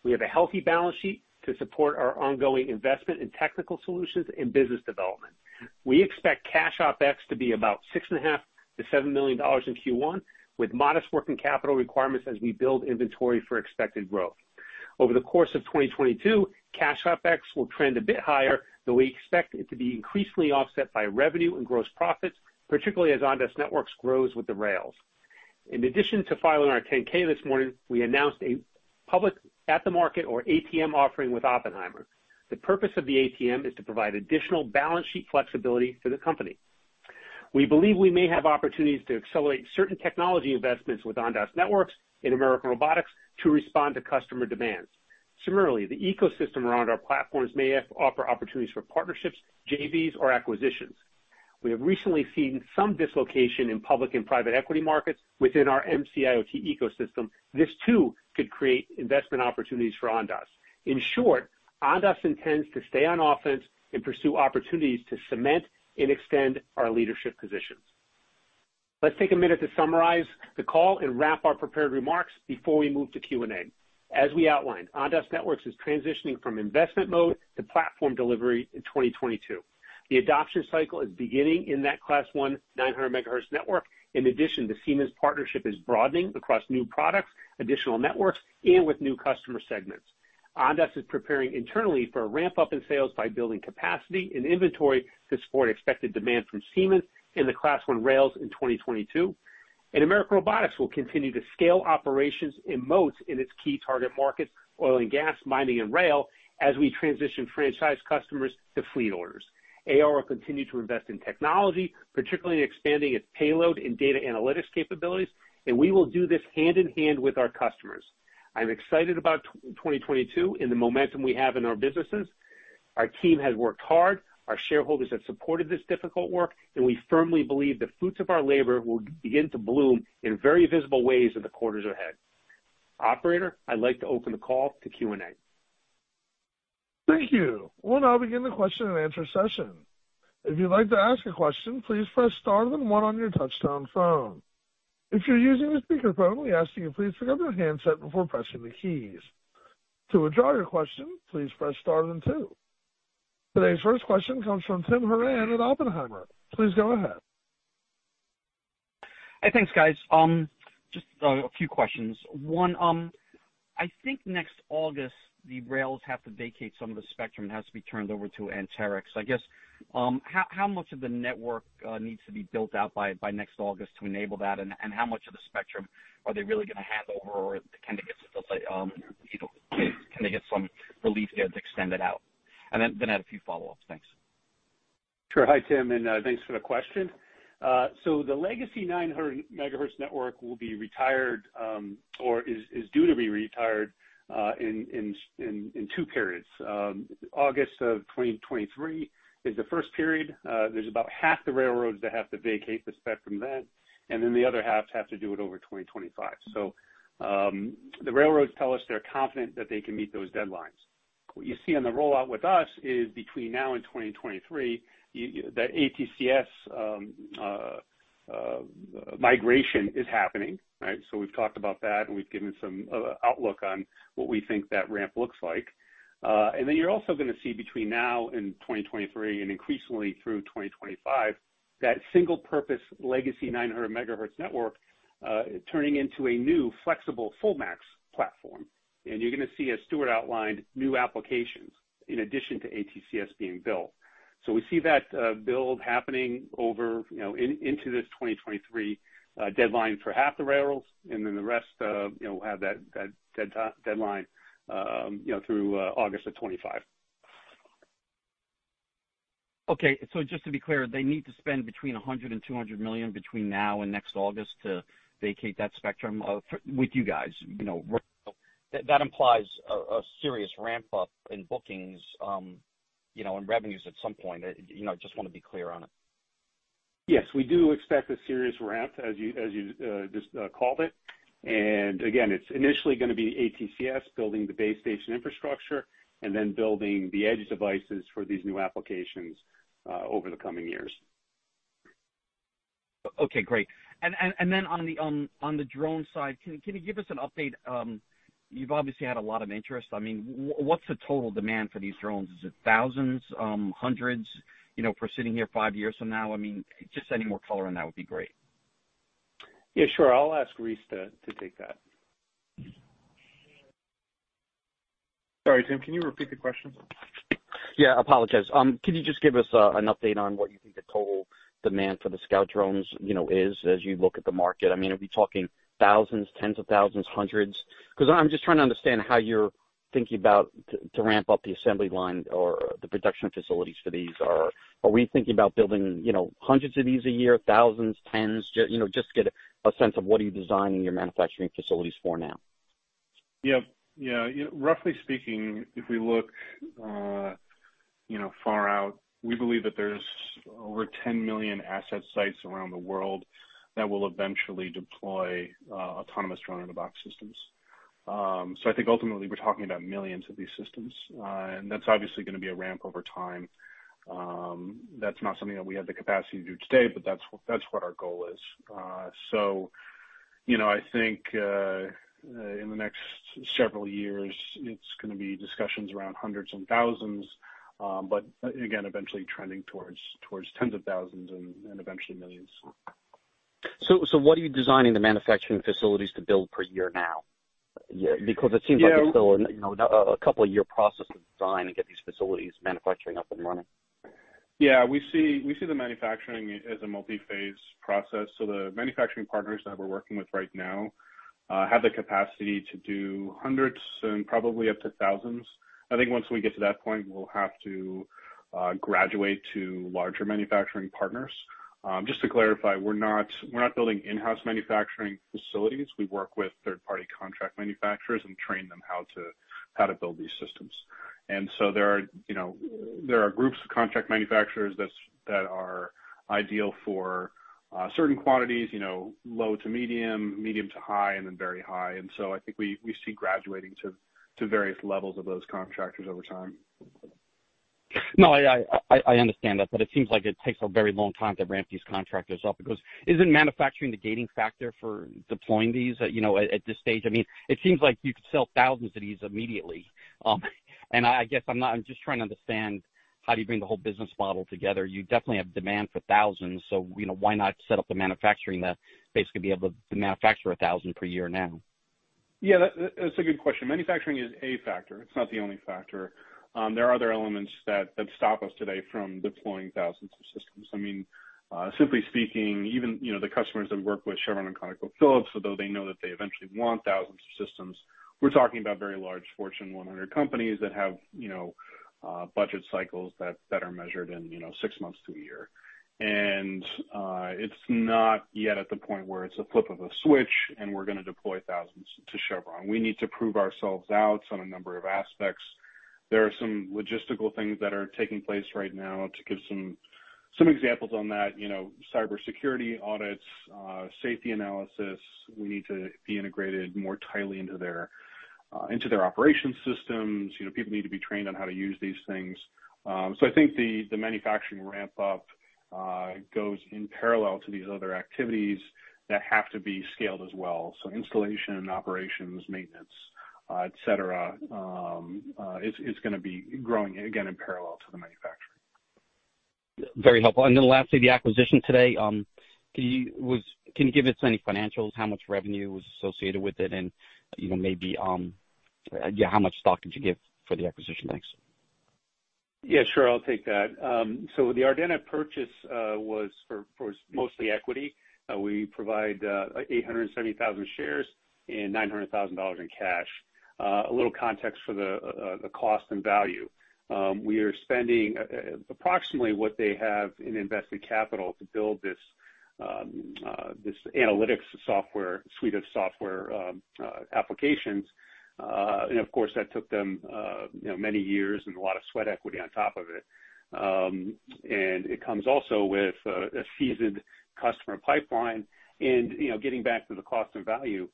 We have a healthy balance sheet to support our ongoing investment in technical solutions and business development. We expect cash OpEx to be about $6.5 million-$7 million in Q1, with modest working capital requirements as we build inventory for expected growth. Over the course of 2022, cash OpEx will trend a bit higher, though we expect it to be increasingly offset by revenue and gross profits, particularly as Ondas Networks grows with the rails. In addition to filing our 10-K this morning, we announced a public at-the-market or ATM offering with Oppenheimer. The purpose of the ATM is to provide additional balance sheet flexibility to the company. We believe we may have opportunities to accelerate certain technology investments with Ondas Networks and American Robotics to respond to customer demands. Similarly, the ecosystem around our platforms may offer opportunities for partnerships, JVs, or acquisitions. We have recently seen some dislocation in public and private equity markets within our MC-IoT ecosystem. This too could create investment opportunities for Ondas. In short, Ondas intends to stay on offense and pursue opportunities to cement and extend our leadership positions. Let's take a minute to summarize the call and wrap our prepared remarks before we move to Q&A. As we outlined, Ondas Networks is transitioning from investment mode to platform delivery in 2022. The adoption cycle is beginning in that Class 1 900 MHz network. In addition, the Siemens partnership is broadening across new products, additional networks, and with new customer segments. Ondas is preparing internally for a ramp-up in sales by building capacity and inventory to support expected demand from Siemens in the Class 1 rails in 2022. American Robotics will continue to scale operations and moats in its key target markets, oil and gas, mining and rail, as we transition franchise customers to fleet orders. AR will continue to invest in technology, particularly in expanding its payload and data analytics capabilities, and we will do this hand in hand with our customers. I'm excited about 2022 and the momentum we have in our businesses. Our team has worked hard, our shareholders have supported this difficult work, and we firmly believe the fruits of our labor will begin to bloom in very visible ways in the quarters ahead. Operator, I'd like to open the call to Q&A. Thank you. We'll now begin the question and answer session. If you'd like to ask a question, please press star then one on your touchtone phone. If you're using a speakerphone, we ask that you please pick up your handset before pressing the keys. To withdraw your question, please press star then two. Today's first question comes from Timothy Horan at Oppenheimer. Please go ahead. Hey, thanks, guys. Just a few questions. One, I think next August, the rails have to vacate some of the spectrum. It has to be turned over to Anterix. I guess how much of the network needs to be built out by next August to enable that? How much of the spectrum are they really gonna hand over, or can they get some relief there to extend it out? You know, I have a few follow-ups. Thanks. Sure. Hi, Tim, and thanks for the question. The legacy 900 megahertz network will be retired, or is due to be retired, in two periods. August of 2023 is the first period. There's about half the railroads that have to vacate the spectrum then, and then the other half have to do it over 2025. The railroads tell us they're confident that they can meet those deadlines. What you see on the rollout with us is between now and 2023, that ATCS migration is happening, right? We've talked about that, and we've given some outlook on what we think that ramp looks like. Then you're also gonna see between now and 2023 and increasingly through 2025, that single purpose legacy 900 MHz network turning into a new flexible FullMAX platform. You're gonna see, as Stewart outlined, new applications in addition to ATCS being built. We see that build happening over, you know, into this 2023 deadline for half the railroads, and then the rest, you know, have that deadline through August of 2025. Just to be clear, they need to spend between $100 million and $200 million between now and next August to vacate that spectrum with you guys. You know, that implies a serious ramp up in bookings, you know, and revenues at some point. You know, I just wanna be clear on it. Yes, we do expect a serious ramp as you just called it. Again, it's initially gonna be ATCS building the base station infrastructure and then building the edge devices for these new applications over the coming years. Okay, great. On the drone side, can you give us an update? You've obviously had a lot of interest. I mean, what's the total demand for these drones? Is it thousands, hundreds, you know, if we're sitting here five years from now? I mean, just any more color on that would be great. Yeah, sure. I'll ask Reese to take that. Sorry, Tim, can you repeat the question? I apologize. Can you just give us an update on what you think the total demand for the Scout drones, you know, is as you look at the market? I mean, are we talking thousands, tens of thousands, hundreds? Because I'm just trying to understand how you're thinking about to ramp up the assembly line or the production facilities for these. Or are we thinking about building, you know, hundreds of these a year, thousands, tens? You know, just get a sense of what you are designing your manufacturing facilities for now. Roughly speaking, if we look, you know, far out, we believe that there's over 10 million asset sites around the world that will eventually deploy autonomous Drone-in-a-Box systems. I think ultimately we're talking about millions of these systems, and that's obviously gonna be a ramp over time. That's not something that we have the capacity to do today, but that's what our goal is. You know, I think in the next several years, it's gonna be discussions around hundreds and thousands, again, eventually trending towards tens of thousands and eventually millions. What are you designing the manufacturing facilities to build per year now? Because it seems like it's still a, you know, a couple of years process to design and get these facilities manufacturing up and running. Yeah. We see the manufacturing as a multi-phase process. The manufacturing partners that we're working with right now have the capacity to do hundreds and probably up to thousands. I think once we get to that point, we'll have to graduate to larger manufacturing partners. Just to clarify, we're not building in-house manufacturing facilities. We work with third-party contract manufacturers and train them how to build these systems. There are groups of contract manufacturers that are ideal for certain quantities, you know, low to medium to high, and then very high. I think we see graduating to various levels of those contractors over time. No, I understand that, but it seems like it takes a very long time to ramp these contractors up. Because isn't manufacturing the gating factor for deploying these, you know, at this stage? I mean, it seems like you could sell thousands of these immediately. And I guess I'm just trying to understand how do you bring the whole business model together. You definitely have demand for thousands. You know, why not set up the manufacturing that basically be able to manufacture 1,000 per year now? Yeah. That's a good question. Manufacturing is a factor. It's not the only factor. There are other elements that stop us today from deploying thousands of systems. I mean, simply speaking, even, you know, the customers that work with Chevron and ConocoPhillips, although they know that they eventually want thousands of systems, we're talking about very large Fortune 100 companies that have, you know, budget cycles that are measured in, you know, six months to a year. It's not yet at the point where it's a flip of a switch and we're gonna deploy thousands to Chevron. We need to prove ourselves out on a number of aspects. There are some logistical things that are taking place right now. To give some examples on that, you know, cybersecurity audits, safety analysis. We need to be integrated more tightly into their operations systems. You know, people need to be trained on how to use these things. I think the manufacturing ramp up goes in parallel to these other activities that have to be scaled as well. Installation, operations, maintenance, et cetera, is gonna be growing again in parallel to the manufacturing. Very helpful. Lastly, the acquisition today, can you give us any financials? How much revenue was associated with it? You know, maybe, yeah, how much stock did you give for the acquisition? Thanks. Yeah, sure, I'll take that. So the Ardenna purchase was for mostly equity. We provide 870,000 shares and $900,000 in cash. A little context for the cost and value. We are spending approximately what they have in invested capital to build this analytics software suite of software applications. Of course, that took them you know many years and a lot of sweat equity on top of it. It comes also with a seasoned customer pipeline and, you know, getting back to the cost and value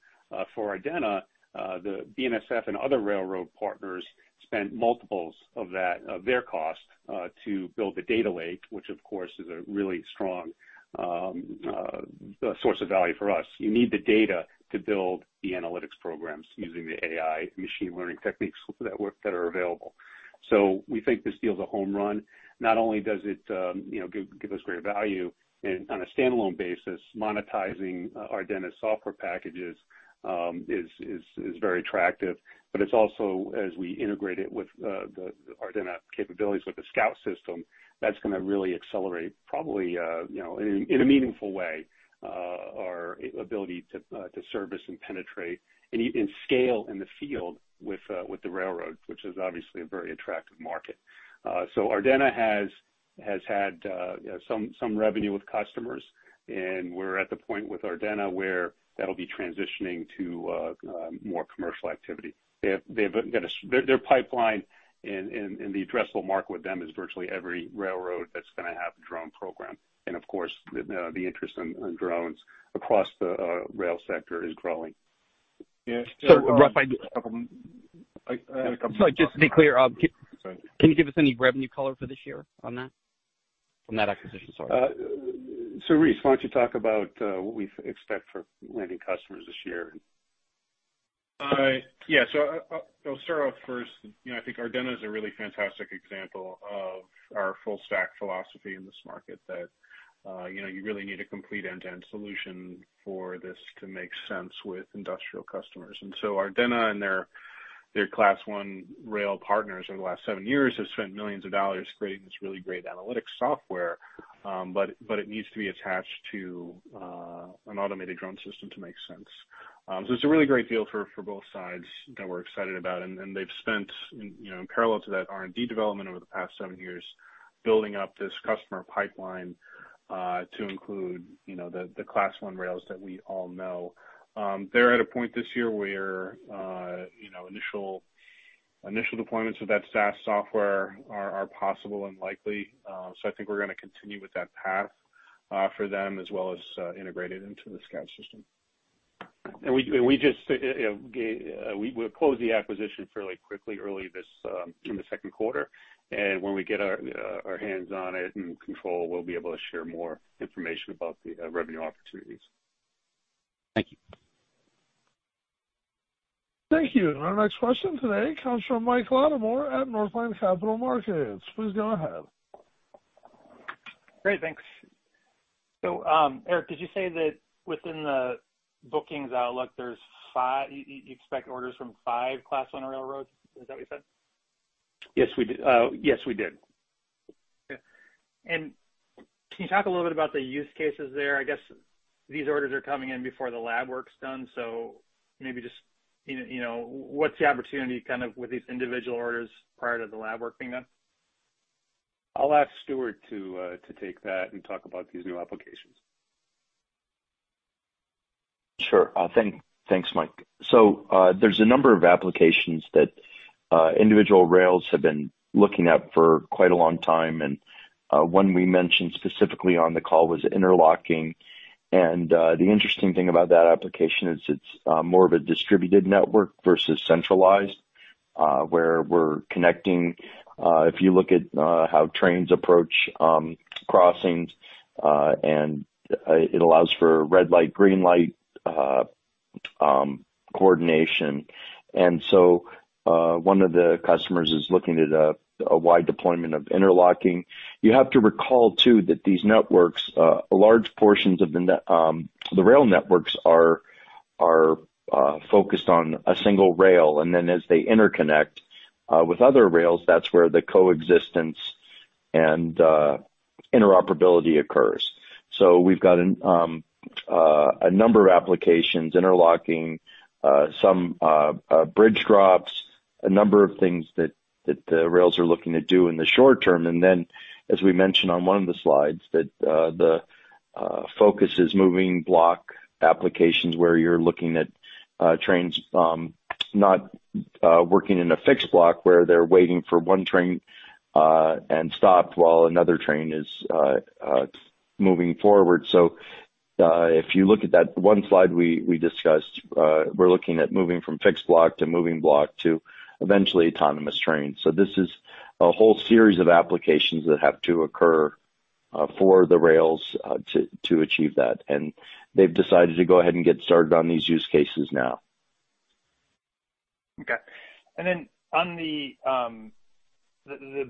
for Ardenna, the BNSF and other railroad partners spent multiples of that of their cost to build the data lake, which of course is a really strong source of value for us. You need the data to build the analytics programs using the AI machine learning techniques that are available. We think this deal is a home run. Not only does it, you know, give us great value and on a standalone basis, monetizing Ardenna software packages is very attractive. It's also, as we integrate it with the Ardenna capabilities with the Scout System, that's gonna really accelerate probably, you know, in a meaningful way, our ability to service and penetrate and scale in the field with the railroad, which is obviously a very attractive market. Ardenna has had some revenue with customers, and we're at the point with Ardenna where that'll be transitioning to more commercial activity. Their pipeline and the addressable market with them is virtually every railroad that's gonna have a drone program. Of course, the interest in drones across the rail sector is growing. Yeah. Reese, sorry. Just to be clear, can you give us any revenue color for this year on that, from that acquisition? Sorry. Reese, why don't you talk about what we expect for landing customers this year. Yeah. I'll start off first. You know, I think Ardenna is a really fantastic example of our full stack philosophy in this market that you know, you really need a complete end-to-end solution for this to make sense with industrial customers. Ardenna and their Class one rail partners over the last seven years have spent $ millions creating this really great analytics software. But it needs to be attached to an automated drone system to make sense. It's a really great deal for both sides that we're excited about. They've spent you know, in parallel to that R&D development over the past seven years, building up this customer pipeline to include you know, the Class one rails that we all know. They're at a point this year where you know initial deployments of that SaaS software are possible and likely. I think we're gonna continue with that path for them as well as integrate it into the Scout System. We just closed the acquisition fairly quickly early this in the second quarter. When we get our hands on it and control, we'll be able to share more information about the revenue opportunities. Thank you. Thank you. Our next question today comes from Michael Latimore at Northland Capital Markets. Please go ahead. Great, thanks. Eric, did you say that within the bookings outlook, you expect orders from 5 Class I railroads? Is that what you said? Yes, we did. Yes, we did. Okay. Can you talk a little bit about the use cases there? I guess these orders are coming in before the lab work's done. Maybe just, you know, what's the opportunity kind of with these individual orders prior to the lab work being done? I'll ask Stewart to take that and talk about these new applications. Sure. Thanks, Mike. There's a number of applications that individual rails have been looking at for quite a long time, and one we mentioned specifically on the call was interlocking. The interesting thing about that application is it's more of a distributed network versus centralized where we're connecting. If you look at how trains approach crossings, it allows for red light, green light coordination. One of the customers is looking at a wide deployment of interlocking. You have to recall too, that these networks, large portions of the rail networks are focused on a single rail. As they interconnect with other rails, that's where the coexistence and interoperability occurs. We've got a number of applications interlocking, some bridge drops, a number of things that the rails are looking to do in the short term. As we mentioned on one of the slides, the focus is moving block applications where you're looking at trains not working in a fixed block where they're waiting for one train and stopped while another train is moving forward. If you look at that one slide we discussed, we're looking at moving from fixed block to moving block to eventually autonomous trains. This is a whole series of applications that have to occur for the rails to achieve that. They've decided to go ahead and get started on these use cases now. Okay. On the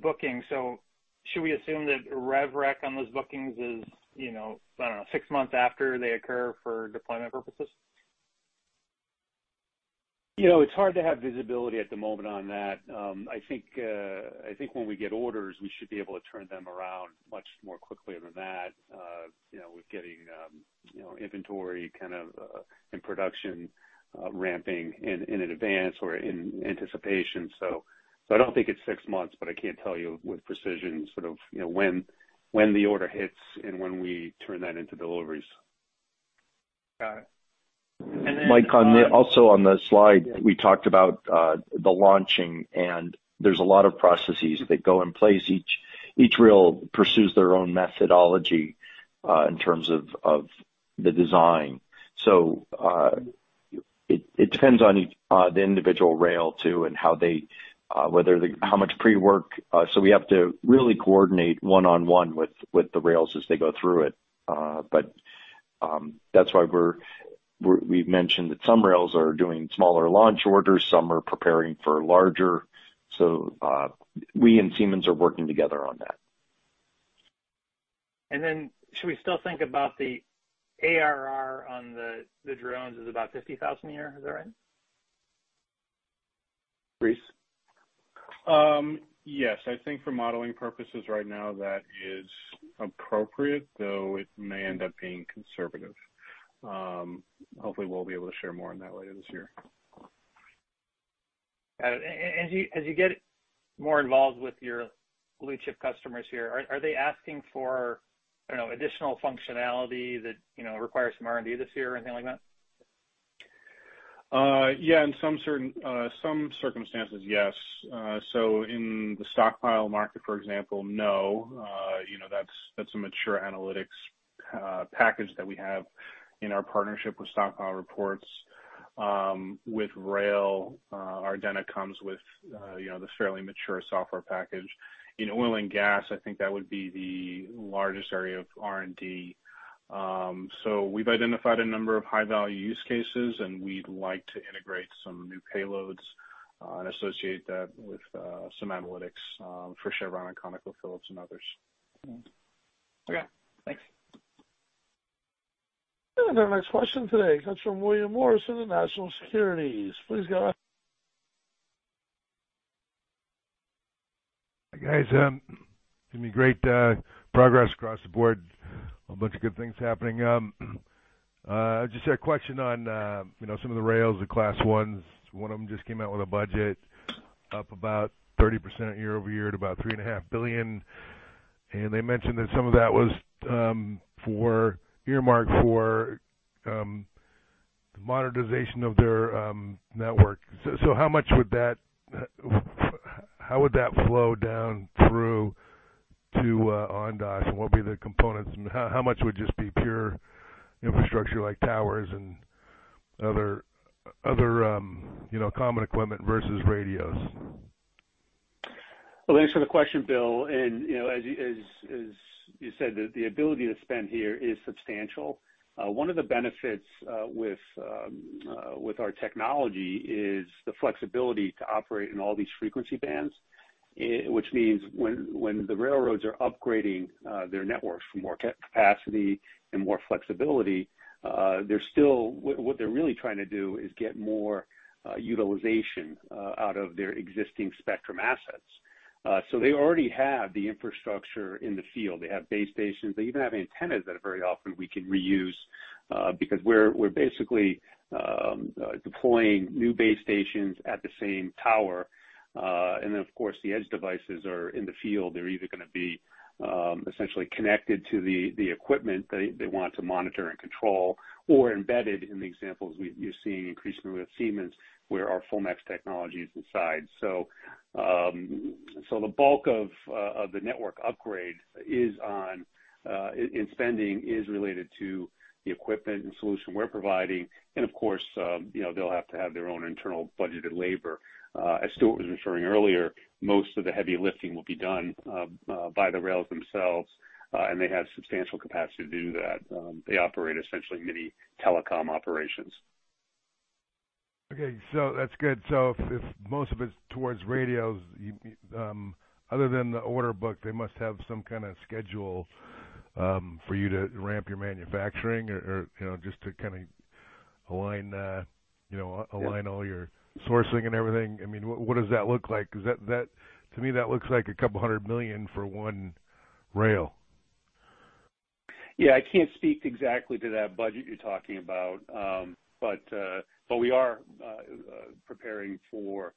booking, should we assume that rev rec on those bookings is, you know, I don't know, six months after they occur for deployment purposes? You know, it's hard to have visibility at the moment on that. I think when we get orders, we should be able to turn them around much more quickly than that. You know, with getting inventory kind of in production, ramping in advance or in anticipation. So I don't think it's six months, but I can't tell you with precision sort of, you know, when the order hits and when we turn that into deliveries. Got it. Mike, also on the slide, we talked about the launching, and there's a lot of processes that go into place. Each rail pursues their own methodology in terms of the design. It depends on each individual rail too, and how much pre-work. We have to really coordinate one-on-one with the rails as they go through it. That's why we've mentioned that some rails are doing smaller launch orders, some are preparing for larger. We and Siemens are working together on that. Should we still think about the ARR on the drones is about $50,000 a year? Is that right? Reese? Yes. I think for modeling purposes right now, that is appropriate, though it may end up being conservative. Hopefully, we'll be able to share more on that later this year. Got it. As you get more involved with your blue chip customers here, are they asking for, I don't know, additional functionality that, you know, requires some R&D this year or anything like that? Yeah, in some circumstances, yes. In the stockpile market, for example, no. You know, that's a mature analytics package that we have in our partnership with Stockpile Reports. With rail, Ardenna comes with, you know, this fairly mature software package. In oil and gas, I think that would be the largest area of R&D. We've identified a number of high-value use cases, and we'd like to integrate some new payloads and associate that with some analytics for Chevron and ConocoPhillips and others. Okay. Thanks. Our next question today comes from William Morrison of National Securities. Please go ahead. Hi, guys. Gonna be great progress across the board. A bunch of good things happening. Just a question on, you know, some of the rails, the Class I's. One of them just came out with a budget up about 30% year-over-year at about $3.5 billion. They mentioned that some of that was earmarked for the modernization of their network. How would that flow down through to Ondas, and what would be the components, and how much would just be pure infrastructure like towers and other common equipment versus radios? Thanks for the question, Bill, and, you know, as you said, the ability to spend here is substantial. One of the benefits with our technology is the flexibility to operate in all these frequency bands, which means when the railroads are upgrading their networks for more capacity and more flexibility, they're still trying to get more utilization out of their existing spectrum assets. So they already have the infrastructure in the field. They have base stations. They even have antennas that very often we can reuse, because we're basically deploying new base stations at the same tower. Then of course, the edge devices are in the field. They're either gonna be essentially connected to the equipment they want to monitor and control or embedded in the examples we're seeing increasingly with Siemens, where our FullMAX technology is inside. The bulk of the network upgrade spending is related to the equipment and solution we're providing, and of course, you know, they'll have to have their own internal budgeted labor. As Stewart was referring earlier, most of the heavy lifting will be done by the rails themselves, and they have substantial capacity to do that. They operate essentially mini telecom operations. Okay. That's good. If most of it's towards radios, other than the order book, they must have some kinda schedule for you to ramp your manufacturing or you know just to kinda align all your sourcing and everything. I mean, what does that look like? 'Cause that to me looks like $200 million for one rail. Yeah. I can't speak exactly to that budget you're talking about. We are preparing for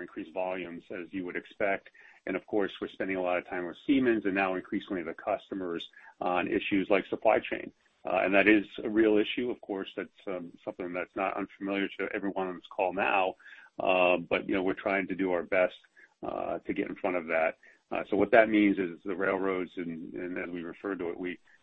increased volumes, as you would expect. Of course, we're spending a lot of time with Siemens and now increasingly the customers on issues like supply chain. That is a real issue of course, that's something that's not unfamiliar to everyone on this call now. You know, we're trying to do our best to get in front of that. What that means is the railroads and as we refer to it,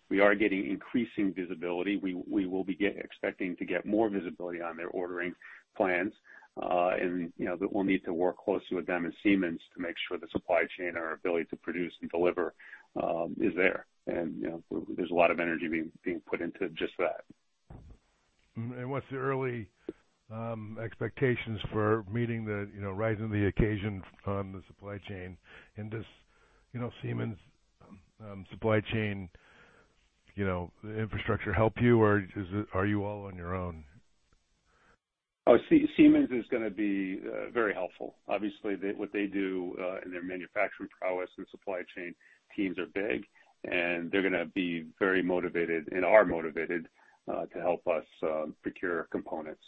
we are getting increasing visibility. We will be expecting to get more visibility on their ordering plans. you know, we'll need to work closely with them and Siemens to make sure the supply chain, our ability to produce and deliver, is there. you know, there's a lot of energy being put into just that. What's the early expectations for meeting the, you know, rising to the occasion on the supply chain? Does, you know, Siemens supply chain, you know, infrastructure help you, or is it, are you all on your own? Oh, Siemens is going to be very helpful. Obviously what they do in their manufacturing prowess and supply chain teams are big, and they're gonna be very motivated and are motivated to help us procure components.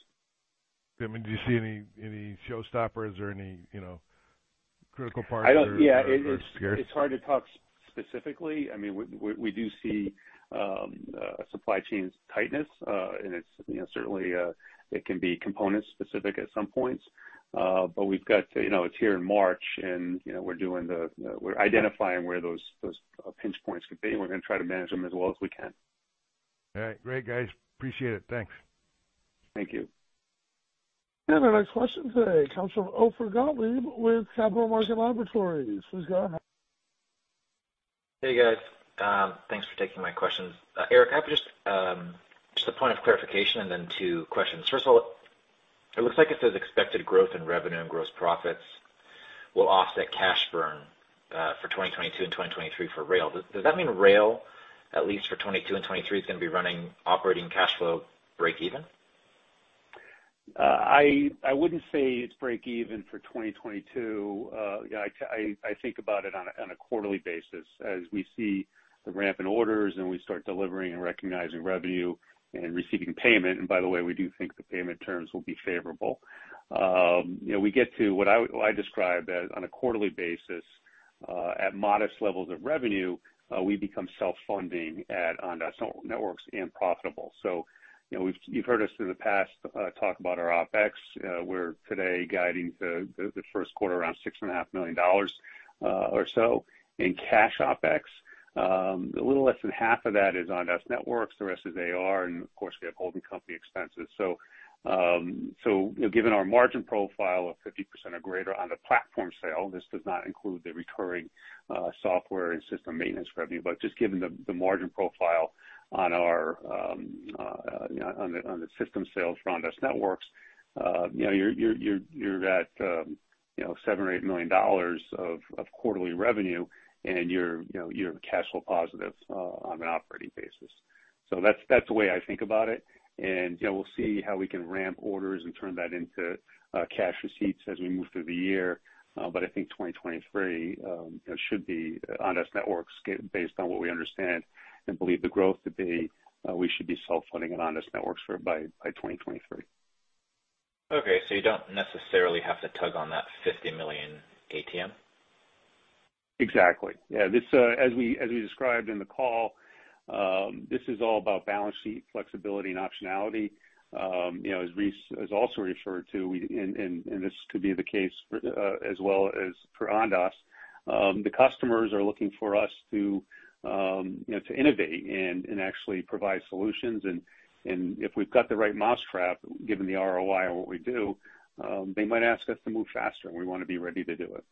I mean, do you see any showstoppers or any, you know, critical parts or scares? Yeah, it's hard to talk specifically. I mean, we do see supply chain tightness, and it's, you know, certainly, it can be component specific at some points. But we've got, you know, it's here in March and, you know, we're identifying where those pinch points could be, and we're gonna try to manage them as well as we can. All right. Great guys. Appreciate it. Thanks. Thank you. Our next question today comes from Ophir Gottlieb with Capital Market Laboratories. Please go ahead. Hey guys. Thanks for taking my questions. Eric, can I have just a point of clarification and then two questions. First of all, it looks like it says expected growth in revenue and gross profits will offset cash burn for 2022 and 2023 for rail. Does that mean rail, at least for 2022 and 2023, is gonna be running operating cash flow break even? I wouldn't say it's break even for 2022. Yeah, I think about it on a quarterly basis as we see the ramp in orders, and we start delivering and recognizing revenue and receiving payment. By the way, we do think the payment terms will be favorable. You know, we get to what I describe as on a quarterly basis at modest levels of revenue, we become self-funding at Ondas Networks and profitable. You know, you've heard us through the past talk about our OpEx. We're today guiding the first quarter around $6.5 million or so in cash OpEx. A little less than half of that is Ondas Networks, the rest is AR, and of course we have holding company expenses. You know, given our margin profile of 50% or greater on the platform sale, this does not include the recurring software and system maintenance revenue. Just given the margin profile on the system sales for Ondas Networks, you know, you're at $7 million-$8 million of quarterly revenue and you're cash flow positive on an operating basis. That's the way I think about it. You know, we'll see how we can ramp orders and turn that into cash receipts as we move through the year. I think 2023, you know, should be Ondas Networks, based on what we understand and believe the growth to be. We should be self-funding at Ondas Networks by 2023. Okay. You don't necessarily have to tap on that $50 million ATM? Exactly. Yeah. This, as we described in the call, this is all about balance sheet flexibility and optionality. You know, as Reese has also referred to, we and this could be the case for, as well as for Ondas, the customers are looking for us to, you know, to innovate and actually provide solutions. If we've got the right mousetrap, given the ROI on what we do, they might ask us to move faster, and we wanna be ready to do it.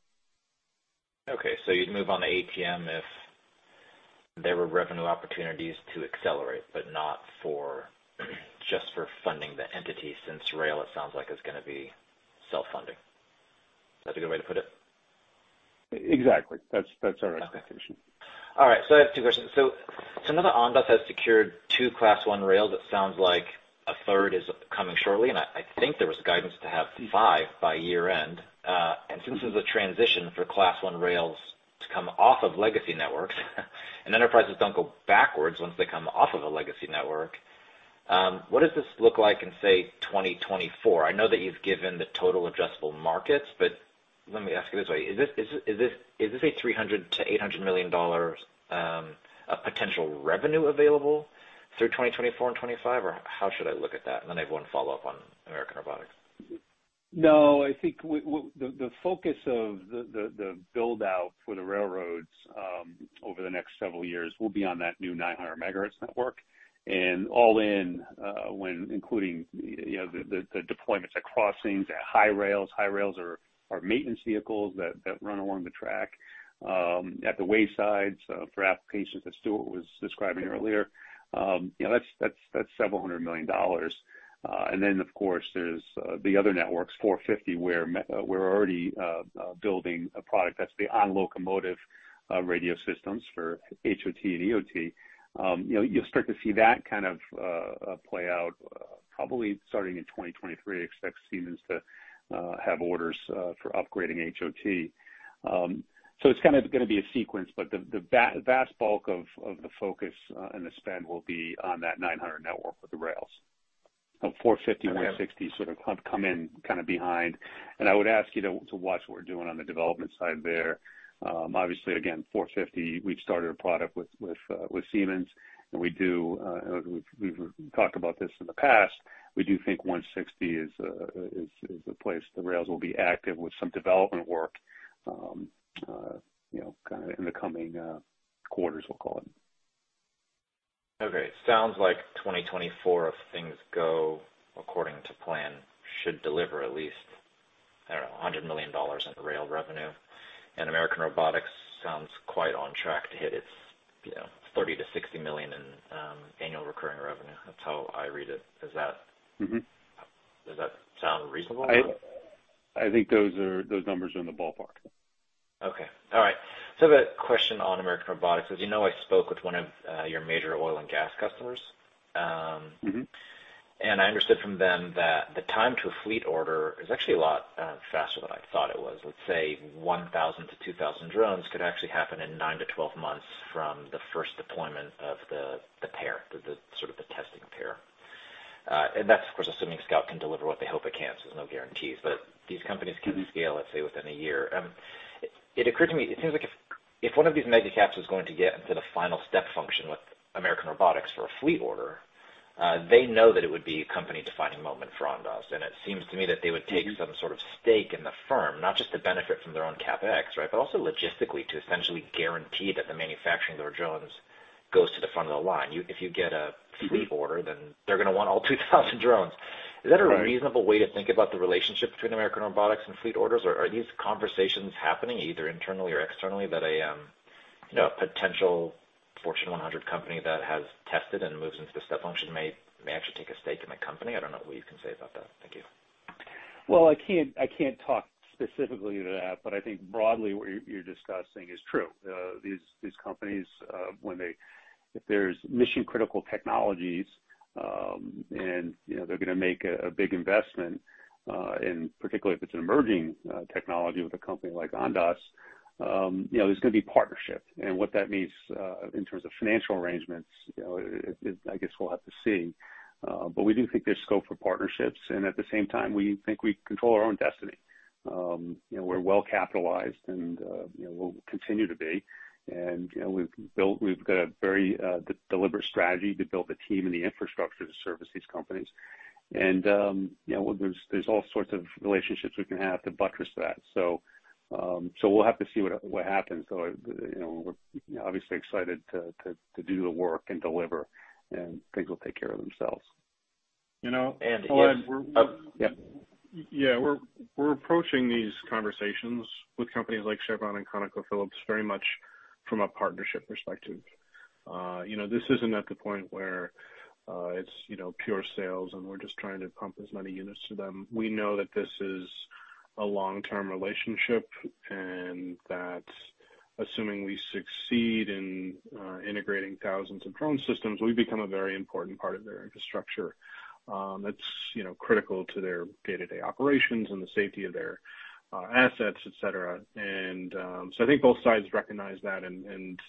Okay. You'd move on the ATM if there were revenue opportunities to accelerate, but not for, just for funding the entity since rail, it sounds like it's gonna be self-funding. Is that a good way to put it? Exactly. That's our expectation. All right. I have two questions. Now that Ondas has secured two Class I rails, it sounds like a third is coming shortly, and I think there was guidance to have five by year-end. Since there's a transition for Class I rails to come off of legacy networks, and enterprises don't go backwards once they come off of a legacy network, what does this look like in, say, 2024? I know that you've given the total addressable markets, but let me ask it this way. Is this a $300 million-$800 million potential revenue available through 2024 and 2025, or how should I look at that? Then I have one follow-up on American Robotics. No, I think the focus of the build-out for the railroads over the next several years will be on that new 900 megahertz network. All in, when including, you know, the deployments at crossings, at hi-rails. Hi-rails are maintenance vehicles that run along the track at the waysides for applications that Stuart was describing earlier. You know, that's several hundred million dollars. Of course, there's the other networks, 450, where we're already building a product that's the on locomotive radio systems for HOT and EOT. You know, you'll start to see that kind of play out probably starting in 2023. I expect Siemens to have orders for upgrading HOT. It's kind of gonna be a sequence, but the vast bulk of the focus and the spend will be on that 900 network with the rails. Now, 450, 160 sort of come in kind of behind. I would ask you to watch what we're doing on the development side there. Obviously again, 450, we've started a product with Siemens, and we've talked about this in the past, we do think 160 is the place the rails will be active with some development work, you know, kind of in the coming quarters, we'll call it. Okay. It sounds like 2024, if things go according to plan, should deliver at least, I don't know, $100 million in rail revenue. American Robotics sounds quite on track to hit its, you know, $30 million-$60 million in annual recurring revenue. That's how I read it. Is that? Mm-hmm. Does that sound reasonable? I think those numbers are in the ballpark. Okay. All right. The question on American Robotics, as you know, I spoke with one of your major oil and gas customers. Mm-hmm. I understood from them that the time to a fleet order is actually a lot faster than I thought it was. Let's say 1,000-2,000 drones could actually happen in 9-12 months from the first deployment of the testing pair. That's of course assuming Scout can deliver what they hope it can, so there's no guarantees. These companies can scale, let's say, within a year. It occurred to me, it seems like if one of these megacaps was going to get into the final step function with American Robotics for a fleet order, they know that it would be a company-defining moment for Ondas. It seems to me that they would take some sort of stake in the firm, not just to benefit from their own CapEx, right? Also logistically to essentially guarantee that the manufacturing of their drones goes to the front of the line. You, if you get a fleet order, then they're gonna want all 2000 drones. Is that a reasonable way to think about the relationship between American Robotics and fleet orders? Or are these conversations happening either internally or externally that a, you know, a potential Fortune 100 company that has tested and moves into the step function may actually take a stake in the company? I don't know what you can say about that. Thank you. Well, I can't talk specifically to that, but I think broadly what you're discussing is true. These companies, if there's mission-critical technologies, and you know they're gonna make a big investment, and particularly if it's an emerging technology with a company like Ondas, you know, there's gonna be partnership. What that means in terms of financial arrangements, you know, I guess we'll have to see. We do think there's scope for partnerships, and at the same time we think we control our own destiny. You know, we're well capitalized and, you know, we'll continue to be. You know, we've built, we've got a very deliberate strategy to build the team and the infrastructure to service these companies. You know, there's all sorts of relationships we can have to buttress that. We'll have to see what happens. You know, we're obviously excited to do the work and deliver, and things will take care of themselves. You know- And if- Go ahead. Yeah. Yeah. We're approaching these conversations with companies like Chevron and ConocoPhillips very much from a partnership perspective. You know, this isn't at the point where it's you know, pure sales and we're just trying to pump as many units to them. We know that this is a long-term relationship and that assuming we succeed in integrating thousands of drone systems, we become a very important part of their infrastructure that's you know, critical to their day-to-day operations and the safety of their assets, et cetera. I think both sides recognize that and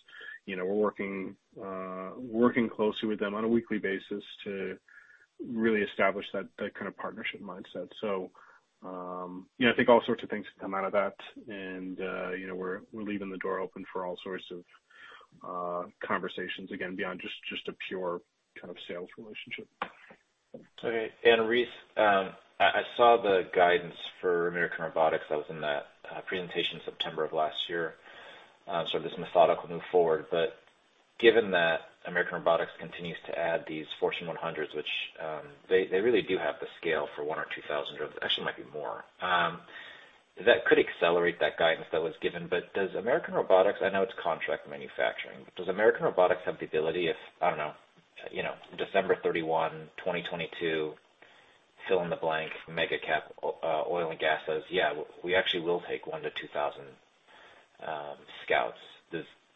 you know, we're working closely with them on a weekly basis to really establish that kind of partnership mindset. you know, I think all sorts of things can come out of that and, you know, we're leaving the door open for all sorts of conversations again, beyond just a pure kind of sales relationship. Okay. Reese, I saw the guidance for American Robotics that was in that presentation in September of last year, sort of this methodical move forward. Given that American Robotics continues to add these Fortune 100s, which they really do have the scale for 1 or 2,000 drones, actually might be more, that could accelerate that guidance that was given. Does American Robotics, I know it's contract manufacturing, but does American Robotics have the ability if, I don't know, you know, December 31, 2022, fill in the blank, mega cap oil and gas says, "Yeah, we actually will take 1,000-2,000 Scouts."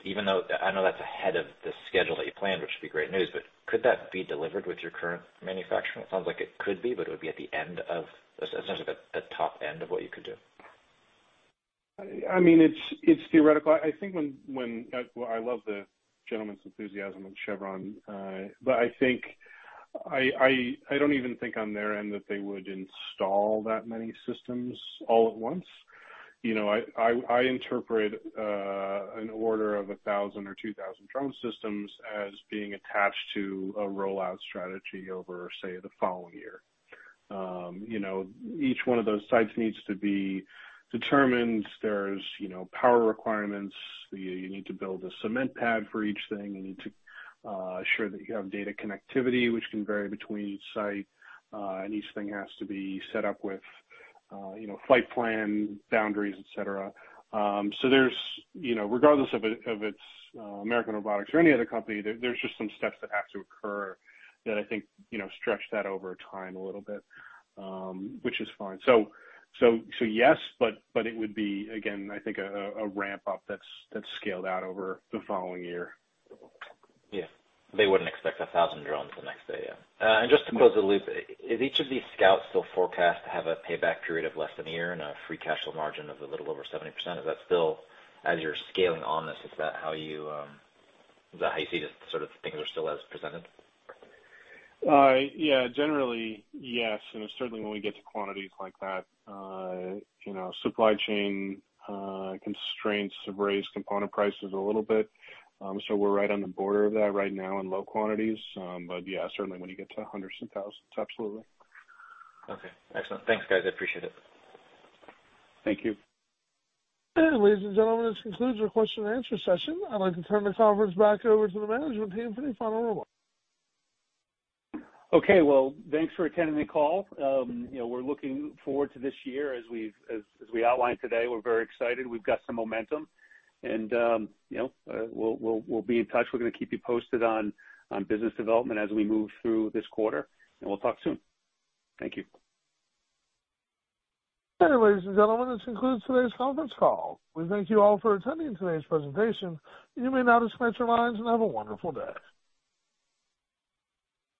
Even though I know that's ahead of the schedule that you planned, which would be great news, but could that be delivered with your current manufacturing? It sounds like it could be, but it would be at the end of, essentially the top end of what you could do. I mean, it's theoretical. I think. Well, I love the gentleman's enthusiasm with Chevron. I think I don't even think on their end that they would install that many systems all at once. I interpret an order of 1,000 or 2,000 drone systems as being attached to a rollout strategy over, say, the following year. Each one of those sites needs to be determined. There's power requirements. You need to build a cement pad for each thing. You need to ensure that you have data connectivity, which can vary between each site. Each thing has to be set up with flight plan, boundaries, et cetera. There's, you know, regardless of its American Robotics or any other company, there's just some steps that have to occur that I think, you know, stretch that over time a little bit, which is fine. Yes, but it would be, again, I think a ramp-up that's scaled out over the following year. Yeah. They wouldn't expect 1,000 drones the next day, yeah. Just to close the loop, is each of these Scouts still forecast to have a payback period of less than a year and a free cash flow margin of a little over 70%? Is that still, as you're scaling on this, how you see just sort of things are still as presented? Yeah. Generally, yes, you know, certainly when we get to quantities like that, you know, supply chain constraints have raised component prices a little bit. We're right on the border of that right now in low quantities. Yeah, certainly when you get to hundreds of thousands, absolutely. Okay. Excellent. Thanks, guys. I appreciate it. Thank you. Ladies and gentlemen, this concludes our question and answer session. I'd like to turn the conference back over to the management team for any final remarks. Okay. Well, thanks for attending the call. You know, we're looking forward to this year as we outlined today. We're very excited. We've got some momentum. You know, we'll be in touch. We're gonna keep you posted on business development as we move through this quarter, and we'll talk soon. Thank you. Ladies and gentlemen, this concludes today's conference call. We thank you all for attending today's presentation. You may now disconnect your lines and have a wonderful day.